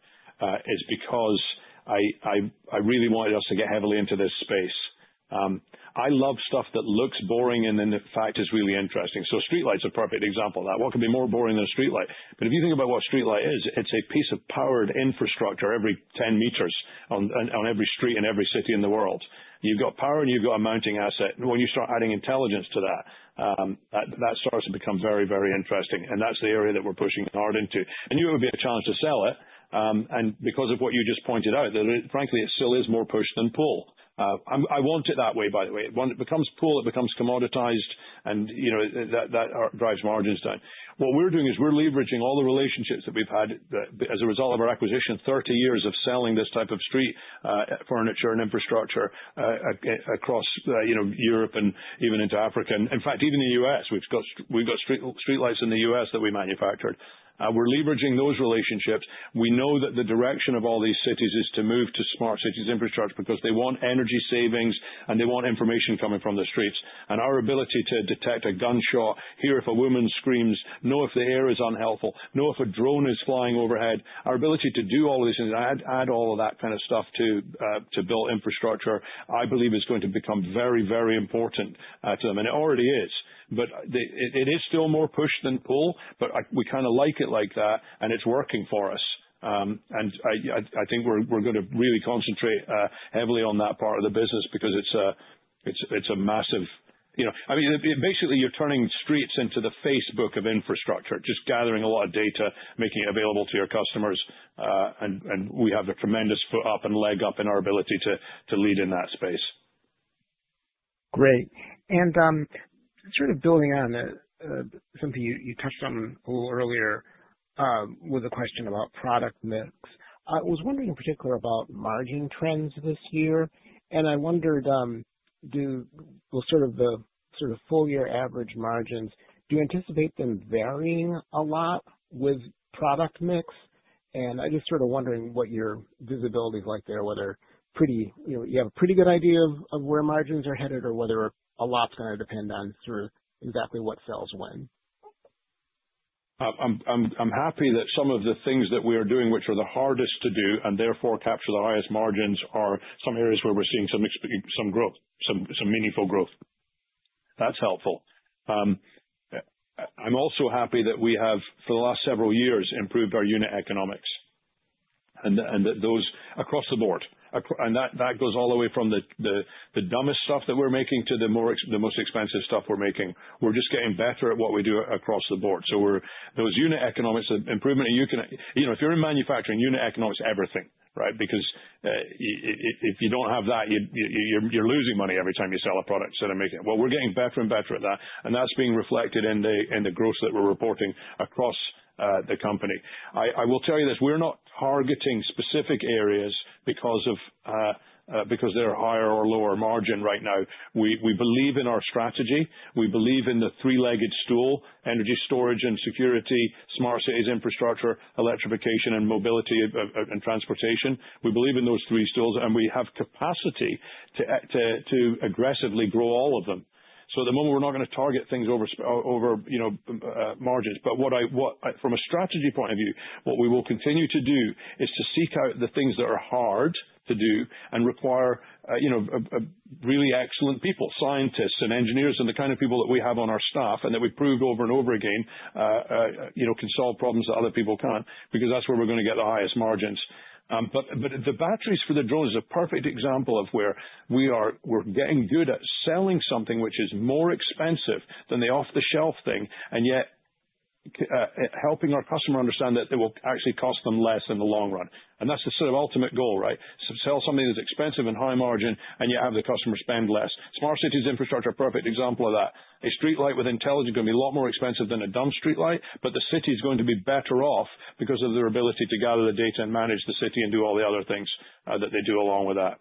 is because I really wanted us to get heavily into this space. I love stuff that looks boring and then the fact is really interesting. A streetlight is a perfect example of that. What could be more boring than a streetlight? If you think about what a streetlight is, it's a piece of powered infrastructure every 10 meters on every street in every city in the world. You've got power, and you've got a mounting asset. When you start adding intelligence to that starts to become very, very interesting, and that's the area that we're pushing hard into. I knew it would be a challenge to sell it, and because of what you just pointed out, frankly, it still is more push than pull. I want it that way, by the way. When it becomes pull, it becomes commoditized, and that drives margins down. What we're doing is we're leveraging all the relationships that we've had as a result of our acquisition, 30 years of selling this type of street furniture and infrastructure across Europe and even into Africa. In fact, even the U.S., we've got streetlights in the U.S. that we manufactured. We're leveraging those relationships. We know that the direction of all these cities is to move to smart cities infrastructure because they want energy savings, and they want information coming from the streets. Our ability to detect a gunshot, hear if a woman screams, know if the air is unhealthy, know if a drone is flying overhead, our ability to do all these things, add all of that kind of stuff to build infrastructure, I believe is going to become very, very important to them, and it already is. It is still more push than pull, but we kind of like it like that, and it's working for us. I think we're going to really concentrate heavily on that part of the business because it's a massive. Basically, you're turning streets into the Facebook of infrastructure, just gathering a lot of data, making it available to your customers, and we have a tremendous foot up and leg up in our ability to lead in that space. Great. Sort of building on something you touched on a little earlier with a question about product mix. I was wondering in particular about margin trends this year, and I wondered, do full year average margins, do you anticipate them varying a lot with product mix? I'm just sort of wondering what your visibility is like there, whether you have a pretty good idea of where margins are headed or whether a lot's going to depend on sort of exactly what sells when. I'm happy that some of the things that we are doing, which are the hardest to do and therefore capture the highest margins, are some areas where we're seeing some growth, some meaningful growth. That's helpful. I'm also happy that we have, for the last several years, improved our unit economics and those across the board. That goes all the way from the dumbest stuff that we're making to the most expensive stuff we're making. We're just getting better at what we do across the board. Those unit economics improvements. If you're in manufacturing, unit economics is everything, right? Because if you don't have that, you're losing money every time you sell a product. Well, we're getting better and better at that, and that's being reflected in the growth that we're reporting across the company. I will tell you this, we're not targeting specific areas because they're higher or lower margin right now. We believe in our strategy. We believe in the three-legged stool, energy storage and security, smart cities infrastructure, electrification and mobility, and transportation. We believe in those three stools, and we have capacity to aggressively grow all of them. At the moment, we're not going to target things over margins. From a strategy point of view, what we will continue to do is to seek out the things that are hard to do and require really excellent people, scientists and engineers, and the kind of people that we have on our staff, and that we've proved over and over again can solve problems that other people can't, because that's where we're going to get the highest margins. The batteries for the drill is a perfect example of where we're getting good at selling something which is more expensive than the off-the-shelf thing, and yet helping our customer understand that they will actually cost them less in the long run. That's the sort of ultimate goal, right? Sell something that's expensive and high margin, and you have the customer spend less. Smart cities infrastructure, perfect example of that. A streetlight with intelligence is going to be a lot more expensive than a dumb streetlight, but the city is going to be better off because of their ability to gather the data and manage the city and do all the other things that they do along with that.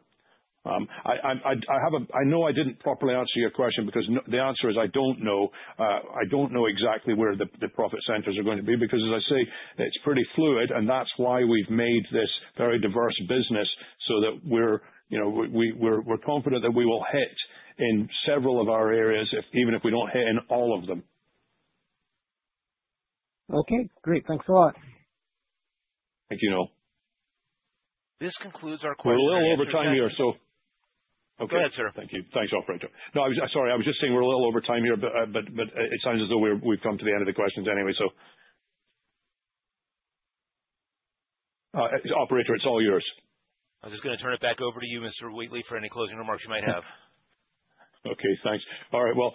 I know I didn't properly answer your question because the answer is I don't know. I don't know exactly where the profit centers are going to be because, as I say, it's pretty fluid, and that's why we've made this very diverse business so that we're confident that we will hit in several of our areas, even if we don't hit in all of them. Okay, great. Thanks a lot. Thank you, Noel. This concludes our question-and-answer session. We're a little over time here, so. Go ahead, sir. Okay. Thank you. Thanks, operator. No, sorry. I was just saying we're a little over time here, but it sounds as though we've come to the end of the questions anyway. Operator, it's all yours. I'm just going to turn it back over to you, Mr. Wheatley, for any closing remarks you might have. Okay, thanks. All right. Well,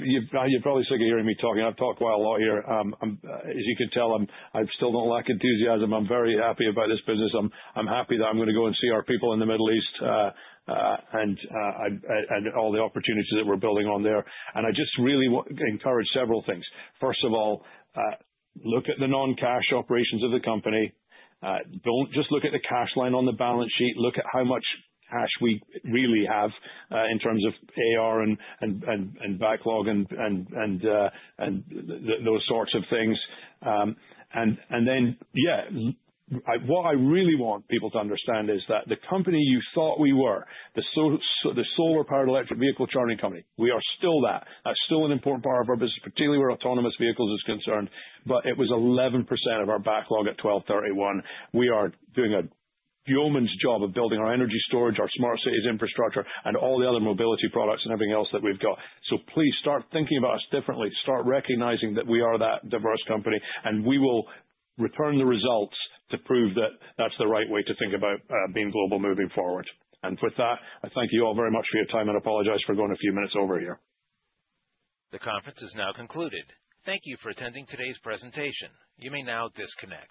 you're probably sick of hearing me talking. I've talked quite a lot here. As you can tell, I still don't lack enthusiasm. I'm very happy about this business. I'm happy that I'm going to go and see our people in the Middle East, and all the opportunities that we're building on there. I just really encourage several things. First of all, look at the non-cash operations of the company. Don't just look at the cash line on the balance sheet. Look at how much cash we really have, in terms of AR and backlog and those sorts of things. Then, yeah, what I really want people to understand is that the company you thought we were, the solar-powered electric vehicle charging company, we are still that. That's still an important part of our business, particularly where autonomous vehicles is concerned. It was 11% of our backlog at 12/31. We are doing a yeoman's job of building our energy storage, our smart cities infrastructure, and all the other mobility products and everything else that we've got. Please start thinking about us differently. Start recognizing that we are that diverse company, and we will return the results to prove that that's the right way to think about Beam Global moving forward. With that, I thank you all very much for your time and apologize for going a few minutes over here. The conference is now concluded. Thank you for attending today's presentation. You may now disconnect.